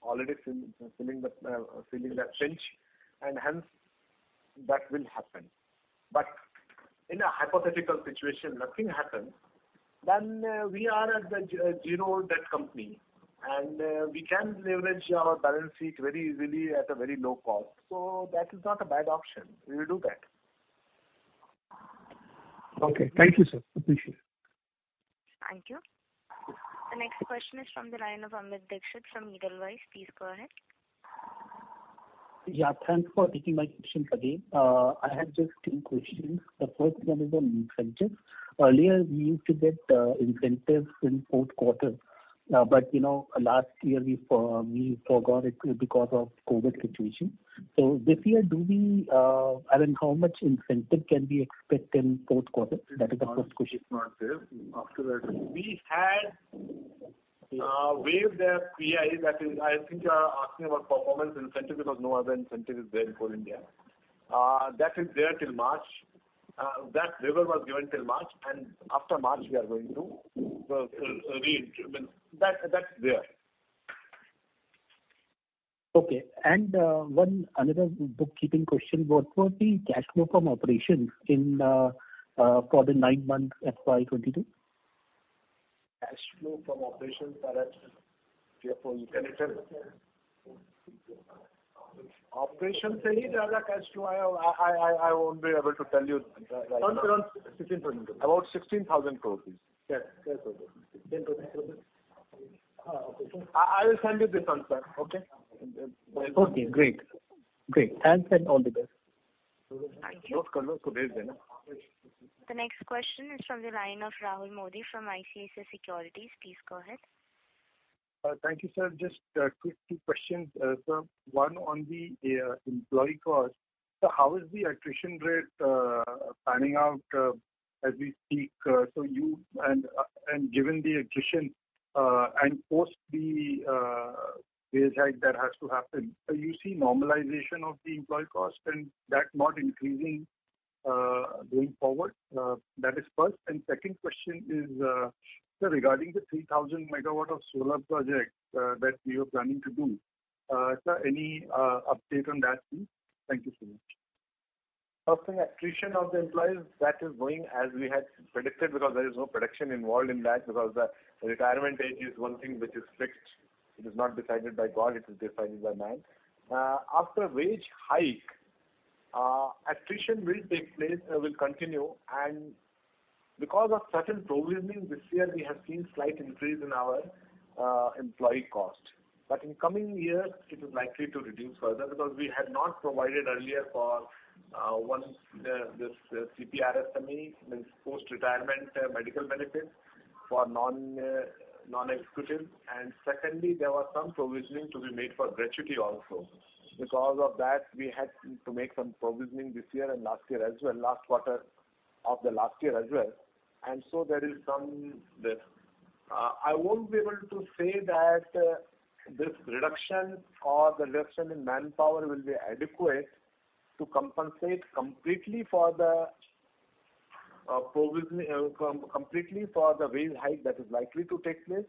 already filling the tranche, and hence that will happen. In a hypothetical situation, nothing happens, then, we are a zero-debt company, and we can leverage our balance sheet very easily at a very low cost. That is not a bad option. We will do that. Okay. Thank you, sir. Appreciate it. Thank you. The next question is from the line of Amit Dixit from Edelweiss. Please go ahead. Yeah, thanks for taking my question, Pramod. I have just two questions. The first one is on incentives. Earlier, we used to get incentives in fourth quarter. But you know, last year we forgot it because of COVID situation. This year, do we, I mean, how much incentive can we expect in fourth quarter? That is the first question. It's not there. After that, we had waived their PI. That is, I think you are asking about performance incentive because no other incentive is there in Coal India. That is there till March. That waiver was given till March, and after March we are going to re-implement. That's there. Okay. One more bookkeeping question. What was the cash flow from operations for the nine months FY 2022? Cash flow from operations. I won't be able to tell you right now. Around INR 16,000 crore. About INR 16,000 crore. Yes. Yes. Okay. INR 16,000 crores. Okay. I will send you this answer. Okay? Okay, great. Great. Thanks, and all the best. Thank you. The next question is from the line of Rahul Modi from ICICI Securities. Please go ahead. Thank you, sir. Just quick two questions. One on the employee cost. How is the attrition rate panning out as we speak? Given the attrition and post the wage hike that has to happen, you see normalization of the employee cost and that not increasing going forward? That is first. Second question is, sir, regarding the 3,000-MW solar project that you're planning to do. Sir, any update on that please? Thank you so much. First thing, attrition of the employees, that is going as we had predicted because there is no production involved in that, because the retirement age is one thing which is fixed. It is not decided by God, it is decided by man. After wage hike, attrition will take place, will continue. Because of certain provisioning this year, we have seen slight increase in our employee cost. But in coming years, it is likely to reduce further because we had not provided earlier for the CPRMSE, means Post Retirement Medical Benefit for non-executive. Secondly, there was some provisioning to be made for gratuity also. Because of that, we had to make some provisioning this year and last year as well, last quarter of the last year as well. There is some of this. I won't be able to say that this reduction in manpower will be adequate to compensate completely for the wage hike that is likely to take place.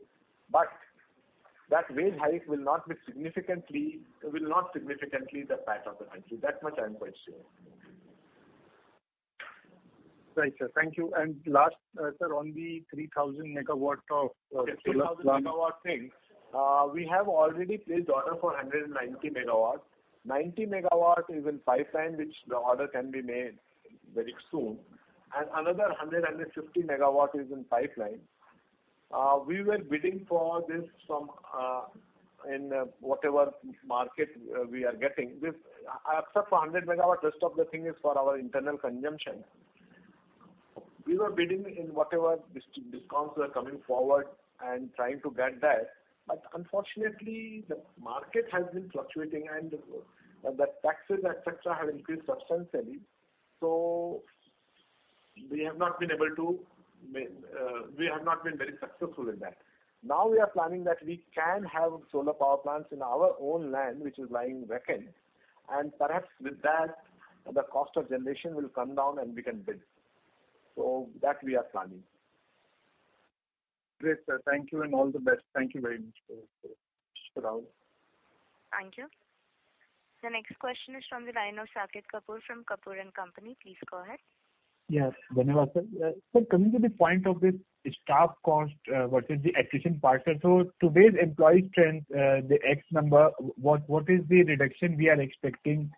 That wage hike will not significantly impact on the company. That much I'm quite sure. Right, sir. Thank you. Last, sir, on the 3000 MW of- The 3,000-MW thing, we have already placed order for 190 MW. 90 MW is in pipeline, which the order can be made very soon. Another 150 MW is in pipeline. We were bidding for this from whatever market we are getting. Except for 100 MW, rest of the thing is for our internal consumption. We were bidding in whatever discounts were coming forward and trying to get that. Unfortunately, the market has been fluctuating and the taxes, et cetera, have increased substantially. We have not been able to. We have not been very successful in that. Now we are planning that we can have solar power plants in our own land, which is lying vacant. Perhaps with that, the cost of generation will come down and we can bid. That we are planning. Great, sir. Thank you and all the best. Thank you very much, sir. Thank you. Thank you. The next question is from the line of Saket Kapoor from Kapoor and Company. Please go ahead. Vanakkam, sir. Sir, coming to the point of the staff cost, what is the attrition part? Today's employee strength, the exact number, what is the reduction we are expecting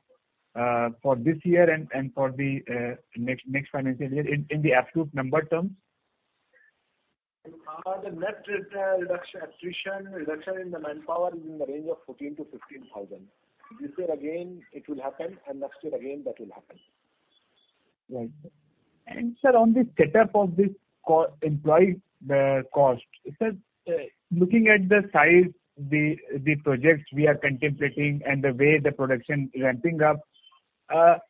for this year and for the next financial year in the absolute number terms? The net attrition reduction in the manpower is in the range of 14,000-15,000. This year again, it will happen, and next year again, that will happen. Right. Sir, on the setup of this employee cost, looking at the size, the projects we are contemplating and the way the production is ramping up, sir,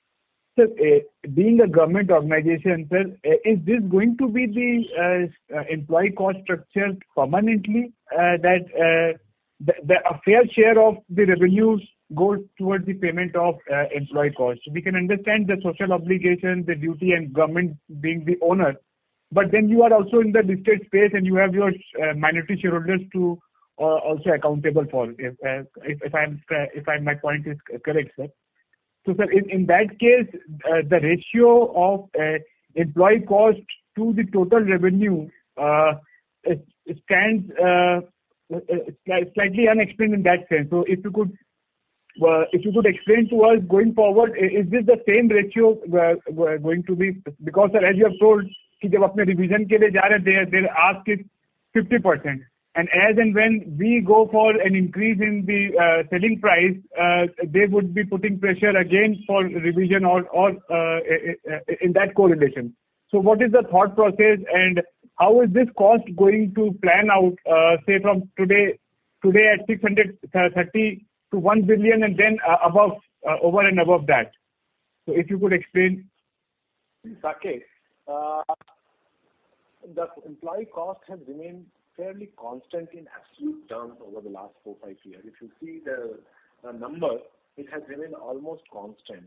being a government organization, sir, is this going to be the employee cost structure permanently, that a fair share of the revenues goes towards the payment of employee costs. We can understand the social obligation, the duty and government being the owner, but then you are also in the competitive space, and you have your minority shareholders to whom you are also accountable, if my point is correct, sir. Sir, in that case, the ratio of employee costs to the total revenue it stands slightly unexplained in that sense. If you could explain to us going forward, is this the same ratio we're going to be? Because sir, as you have told, they'll ask it 50%. And as and when we go for an increase in the selling price, they would be putting pressure again for revision or in that correlation. What is the thought process, and how is this cost going to plan out, say from today at 630-1 billion and then above, over and above that? If you could explain. Saket, the employee cost has remained fairly constant in absolute terms over the last 4-5 years. If you see the number, it has remained almost constant.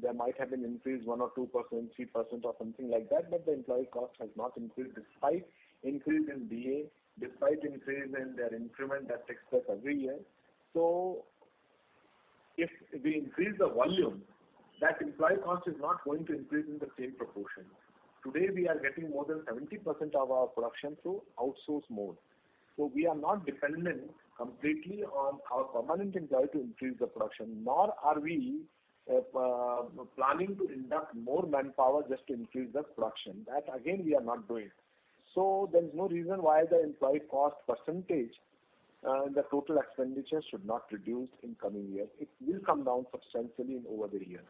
There might have been an increase 1% or 2%, 3% or something like that, but the employee cost has not increased despite an increase in DA, despite an increase in their increment that takes place every year. If we increase the volume, that employee cost is not going to increase in the same proportion. Today, we are getting more than 70% of our production through outsource mode. We are not dependent completely on our permanent employee to increase the production, nor are we planning to induct more manpower just to increase the production. That again, we are not doing. There is no reason why the employee cost percentage in the total expenditure should not reduce in coming years. It will come down substantially over the years.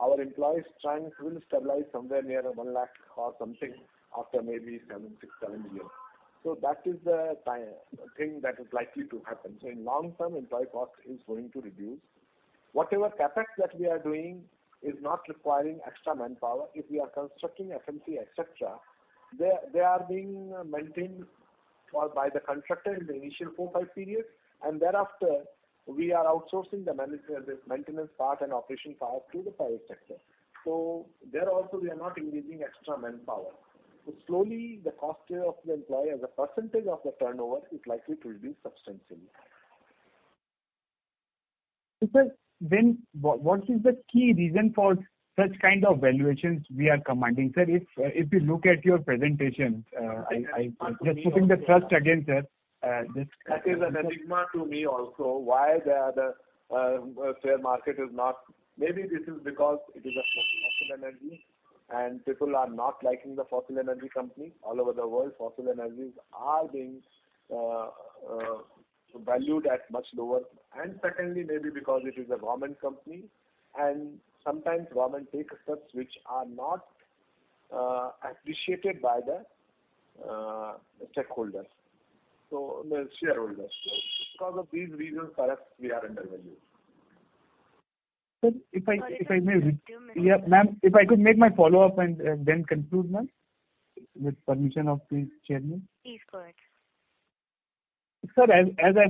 Our employees strength will stabilize somewhere near 1 lakh or something after maybe 6-7 years. That is the thing that is likely to happen. In long term, employee cost is going to reduce. Whatever CapEx that we are doing is not requiring extra manpower. If we are constructing FMC, et cetera, they are being maintained by the contractor in the initial 4-5 period, and thereafter, we are outsourcing the maintenance part and operation part to the private sector. There also we are not increasing extra manpower. Slowly, the cost of the employee as a percentage of the turnover is likely to reduce substantially. Sir, what is the key reason for such kind of valuations we are commanding? Sir, if you look at your presentation, I'm just putting the thrust again, sir. That is an enigma to me also, why the share market is not. Maybe this is because it is an energy. People are not liking the fossil energy company all over the world. Fossil energies are being valued at much lower. Secondly, maybe because it is a government company, and sometimes government take steps which are not appreciated by the stakeholders. So the shareholders. Because of these reasons, perhaps we are undervalued. Sir, if I may- Sir, just two minutes. Yeah. Ma'am, if I could make my follow-up and then conclude, ma'am, with permission of please Chairman. Please go ahead. Sir,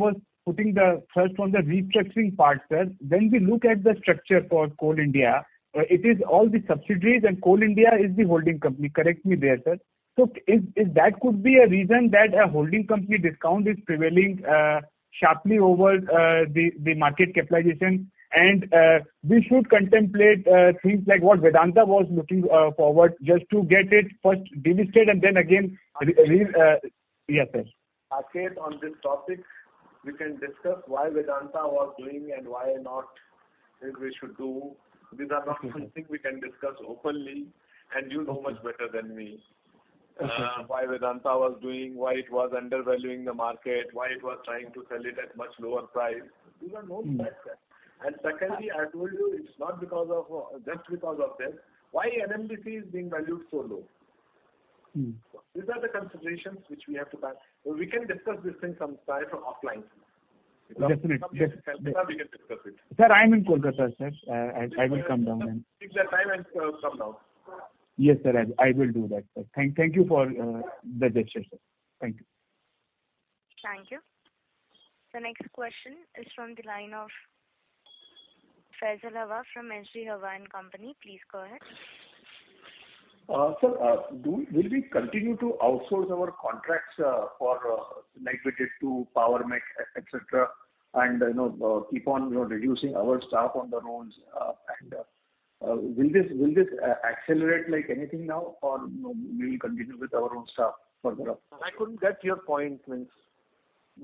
first on the restructuring part, sir. When we look at the structure for Coal India, it is all the subsidiaries and Coal India is the holding company. Correct me there, sir. Is that could be a reason that a holding company discount is prevailing sharply over the market capitalization? We should contemplate things like what Vedanta was looking forward just to get it first delisted and then again relisted. Yes, sir. Saket, on this topic, we can discuss why Vedanta was doing and why not, and we should do. These are not something we can discuss openly, and you know much better than me. Uh-huh. Why Vedanta was doing, why it was undervaluing the market, why it was trying to sell it at much lower price? These are known facts, sir. Secondly, I told you it's not just because of that. Why NMDC is being valued so low? Mm. These are the considerations which we have to back. We can discuss this thing sometime offline. Definitely. Yes. Someday we can discuss it. Sir, I'm in Kolkata, sir. I will come down. Fix a time and, sir, come down. Yes, sir. I will do that, sir. Thank you for the gesture, sir. Thank you. Thank you. The next question is from the line of Faisal Hawa from H.G. Hawa & Co. Please go ahead. Sir, will we continue to outsource our contracts, like we did to Power Mech, et cetera, and, you know, keep on reducing our staff on the rolls? Will this accelerate like anything now, or, you know, we will continue with our own staff further up? I couldn't get your point, means.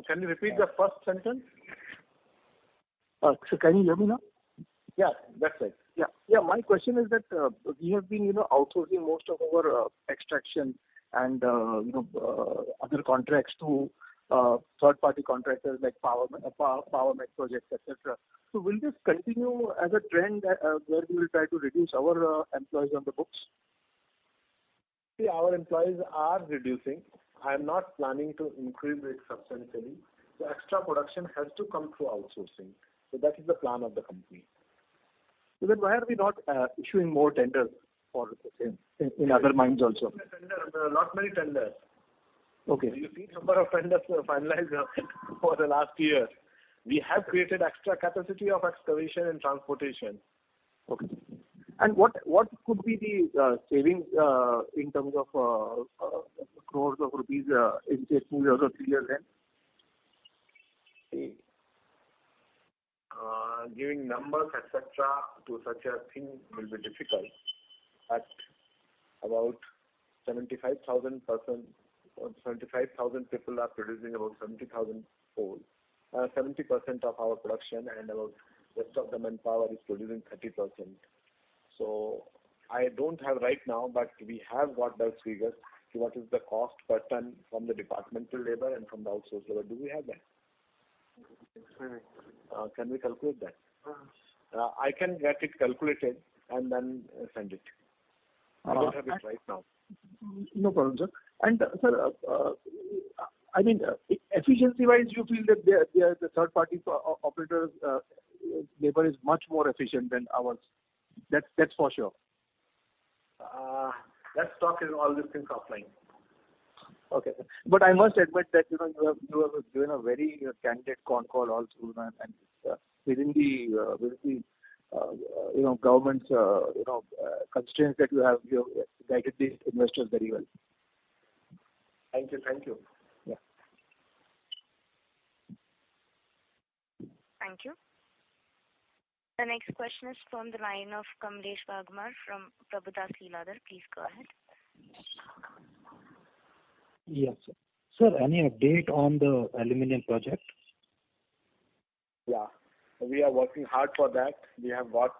Can you repeat the first sentence? Sir, can you hear me now? Yeah. That's right. Yeah. Yeah, my question is that we have been, you know, outsourcing most of our extraction and, you know, other contracts to third-party contractors like Power Mech Projects, et cetera. Will this continue as a trend where we will try to reduce our employees on the books? See, our employees are reducing. I'm not planning to increase it substantially. The extra production has to come through outsourcing. That is the plan of the company. Why are we not issuing more tenders for the same in other mines also? We are issuing a tender. There are not many tenders. Okay. You see number of tenders were finalized for the last year. We have created extra capacity of excavation and transportation. Okay. What could be the savings in terms of crores of rupees if taken over a period then? See, giving numbers, et cetera, to such a thing will be difficult. At about 75,000 people are producing about 70,000 coal. 70% of our production and about rest of the manpower is producing 30%. I don't have right now, but we have got those figures. What is the cost per tonne from the departmental labor and from the outsourced labor? Do we have that? No. Can we calculate that? Uh. I can get it calculated and then send it. Uh-huh. I don't have it right now. No problem, sir. Sir, I mean, efficiency-wise, you feel that the third party operators labor is much more efficient than ours? That's for sure. Let's talk in all these things offline. Okay. I must admit that, you know, you have given a very candid con call all through, and within the you know government's constraints that you have guided the investors very well. Thank you. Thank you. Yeah. Thank you. The next question is from the line of Kamlesh Bagmar from Prabhudas Lilladher. Please go ahead. Yes. Sir, any update on the aluminum project? Yeah. We are working hard for that. We have got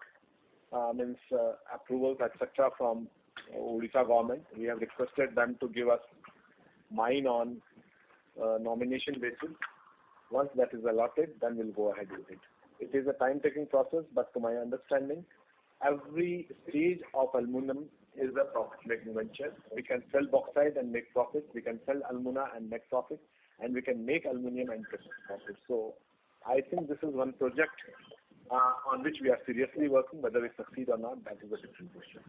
approvals, et cetera, from Odisha government. We have requested them to give us a mine on a nomination basis. Once that is allotted, then we'll go ahead with it. It is a time-taking process, but to my understanding, every stage of aluminum is a profit-making venture. We can sell bauxite and make profit, we can sell alumina and make profit, and we can make aluminum and profit. I think this is one project on which we are seriously working. Whether we succeed or not, that is a different question.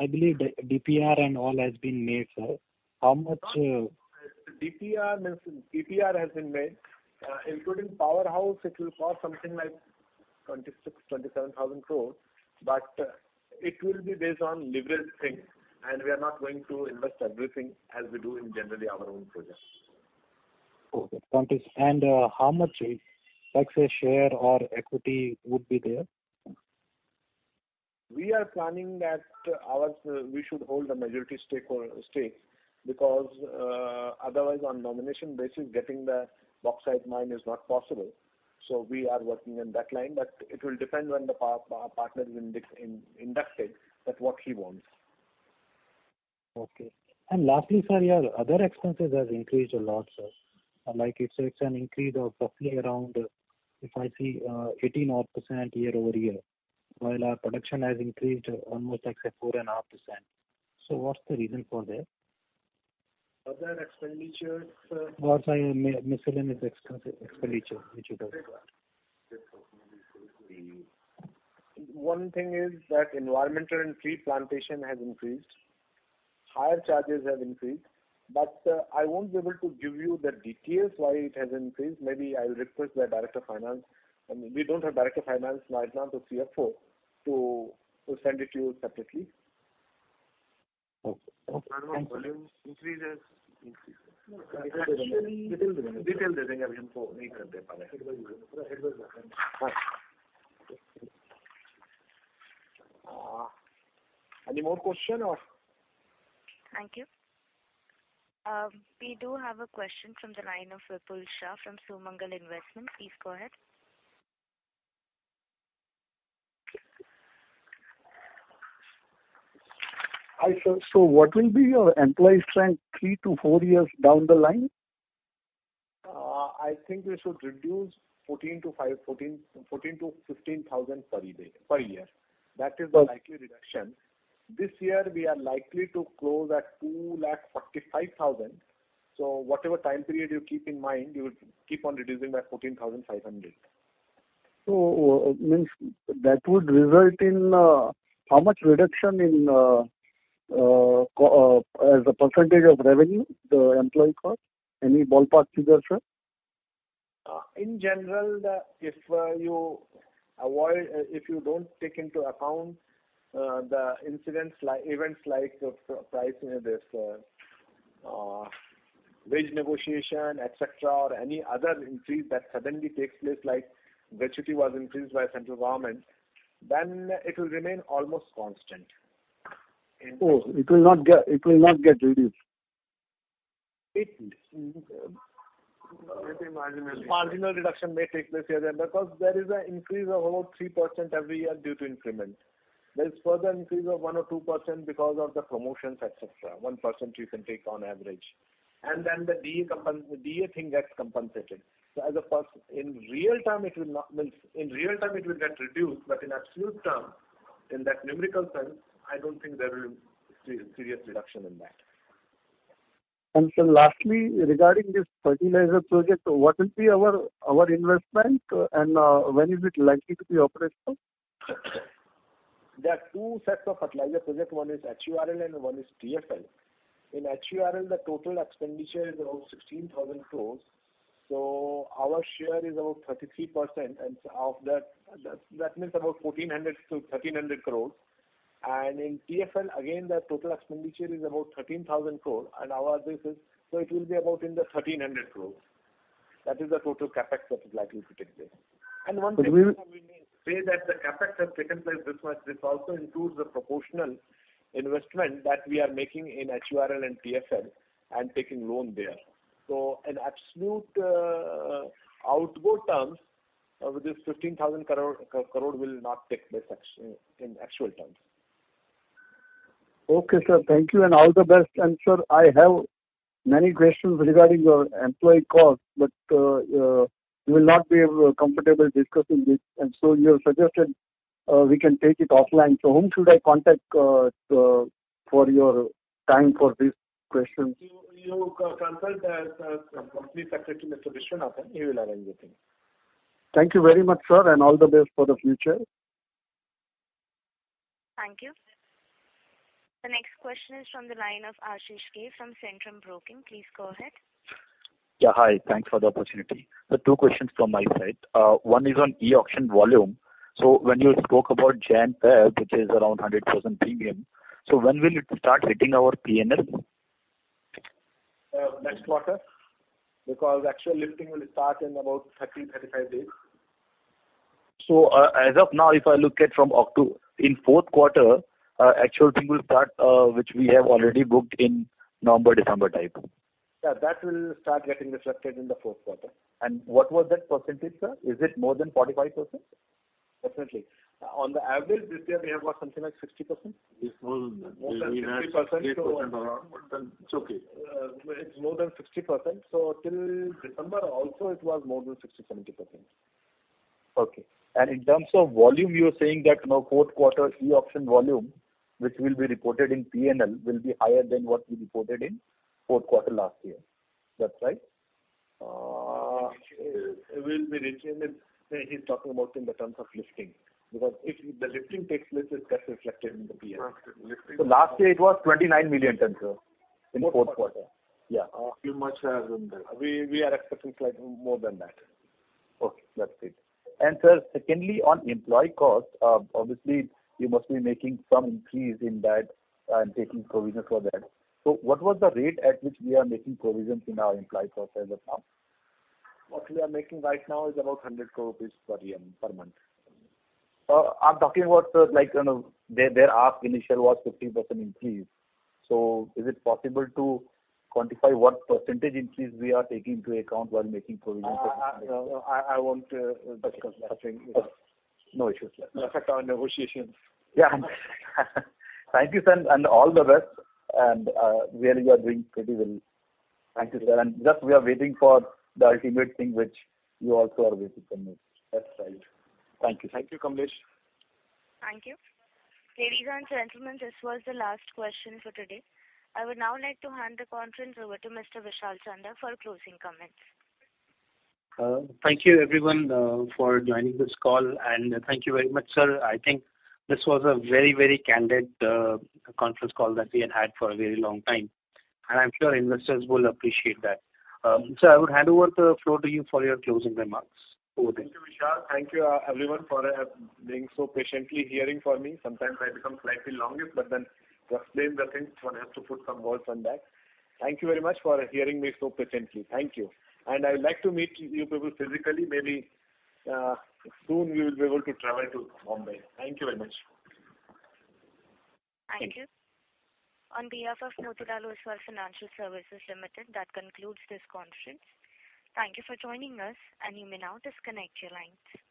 I believe that DPR and all has been made, sir. How much? DPR has been made. Including powerhouse, it will cost something like 26,000 crore-27,000 crore. It will be based on liberal thing, and we are not going to invest everything as we do in generally our own projects. Okay. How much, like, say, share or equity would be there? We are planning that we should hold the majority stake because otherwise on nomination basis, getting the bauxite mine is not possible. We are working on that line, but it will depend when the partner is inducted that what he wants. Okay. Lastly, sir, your other expenses has increased a lot, sir. Like it's an increase of roughly around, if I see, 18.5% year-over-year, while our production has increased almost like say 4.5%. What's the reason for that? Other expenditures, sir? Sorry, miscellaneous expenditure which you talked about. One thing is that environmental and tree plantation has increased. Hire charges have increased. I won't be able to give you the details why it has increased. Maybe I'll request the Director of Finance. I mean, we don't have Director of Finance right now, the CFO, to send it to you separately. Okay. Thank you. Any more question or. Thank you. We do have a question from the line of Vipul Shah from Sumangal Investments. Please go ahead. Hi, sir. What will be your employee strength 3-4 years down the line? I think we should reduce 14,000-15,000 per year. That is the likely reduction. This year we are likely to close at 245,000. Whatever time period you keep in mind, you will keep on reducing by 14,500. Means that would result in cost as a percentage of revenue, the employee cost? Any ballpark figures, sir? In general, if you don't take into account the events like pricing, this wage negotiation, et cetera, or any other increase that suddenly takes place, like DA was increased by Central Government, then it will remain almost constant. It will not get reduced. It... It will be marginally. Marginal reduction may take place here and there because there is an increase of about 3% every year due to increments. There is further increase of 1% or 2% because of the promotions, et cetera. 1% you can take on average. Then the DA thing gets compensated. As a percentage, in real terms it will not, I mean in real terms it will get reduced, but in absolute terms, in that numerical sense, I don't think there will be serious reduction in that. Sir, lastly, regarding this fertilizer project, what will be our investment and when is it likely to be operational? There are two sets of fertilizer projects. One is HURL and one is TFL. In HURL, the total expenditure is around 16,000 crore. Our share is about 33% of that means about 1,400 crore-1,300 crore. In TFL, again, the total expenditure is about 13,000 crore and our share is about 1,300 crore. That is the total CapEx that is likely to take place. One thing But we will- Say that the CapEx has taken place this much. This also includes the proportional investment that we are making in HURL and TFL and taking loan there. In absolute, outward terms, this 15,000 crore will not take place in actual terms. Okay, sir. Thank you and all the best. Sir, I have many questions regarding your employee cost, but you will not be able, comfortable discussing this. You have suggested we can take it offline. Whom should I contact for your time for these questions? You consult Company Secretary, Mr. Vishwanath, and he will arrange the thing. Thank you very much, sir, and all the best for the future. Thank you. The next question is from the line of Ashish Kejriwal from Centrum Broking. Please go ahead. Yeah, hi. Thanks for the opportunity. Two questions from my side. One is on e-auction volume. When you spoke about January-February, which is around 100% premium, so when will it start hitting our P&L? Next quarter, because actual lifting will start in about 30-35 days. As of now, if I look at in fourth quarter, actual thing will start, which we have already booked in November, December type. Yeah, that will start getting reflected in the fourth quarter. What was that percentage, sir? Is it more than 45%? Definitely. On the average this year we have got something like 60%. It's more than that. More than 60%. We have 60% around, but then it's okay. It's more than 60%. Till December also it was more than 60%, 70%. Okay. In terms of volume, you're saying that, you know, fourth quarter e-auction volume, which will be reported in P&L, will be higher than what we reported in fourth quarter last year. That's right? It will be reflected. He's talking about in terms of lifting. Because if the lifting takes place, it gets reflected in the P&L. Okay, lifting. Last year it was 29 million tonnes, sir, in fourth quarter. Yeah. Few much higher than that. We are expecting slightly more than that. Okay, that's it. Sir, secondly, on employee cost, obviously you must be making some increase in that and taking provision for that. What was the rate at which we are making provisions in our employee cost as of now? What we are making right now is about 100 crores rupees per year, per month. I'm talking about, like, you know, their initial ask was 15% increase. Is it possible to quantify what percentage increase we are taking into account while making provisions? No, I won't discuss that thing. No issues. It'll affect our negotiations. Yeah. Thank you, sir, and all the best. Really you are doing pretty well. Thank you, sir. Just, we are waiting for the ultimate thing which you also are waiting for me. That's right. Thank you. Thank you, Kamlesh. Thank you. Ladies and gentlemen, this was the last question for today. I would now like to hand the conference over to Mr. Vishal Chandak for closing comments. Thank you everyone for joining this call and thank you very much, sir. I think this was a very, very candid conference call that we had had for a very long time. I'm sure investors will appreciate that. I would hand over the floor to you for your closing remarks. Over to you. Thank you, Vishal. Thank you, everyone for being so patiently hearing for me. Sometimes I become slightly longest, but then to explain the things one has to put some words on that. Thank you very much for hearing me so patiently. Thank you. I would like to meet you people physically. Maybe soon we will be able to travel to Bombay. Thank you very much. Thank you. On behalf of Motilal Oswal Financial Services Limited, that concludes this conference. Thank you for joining us, and you may now disconnect your lines.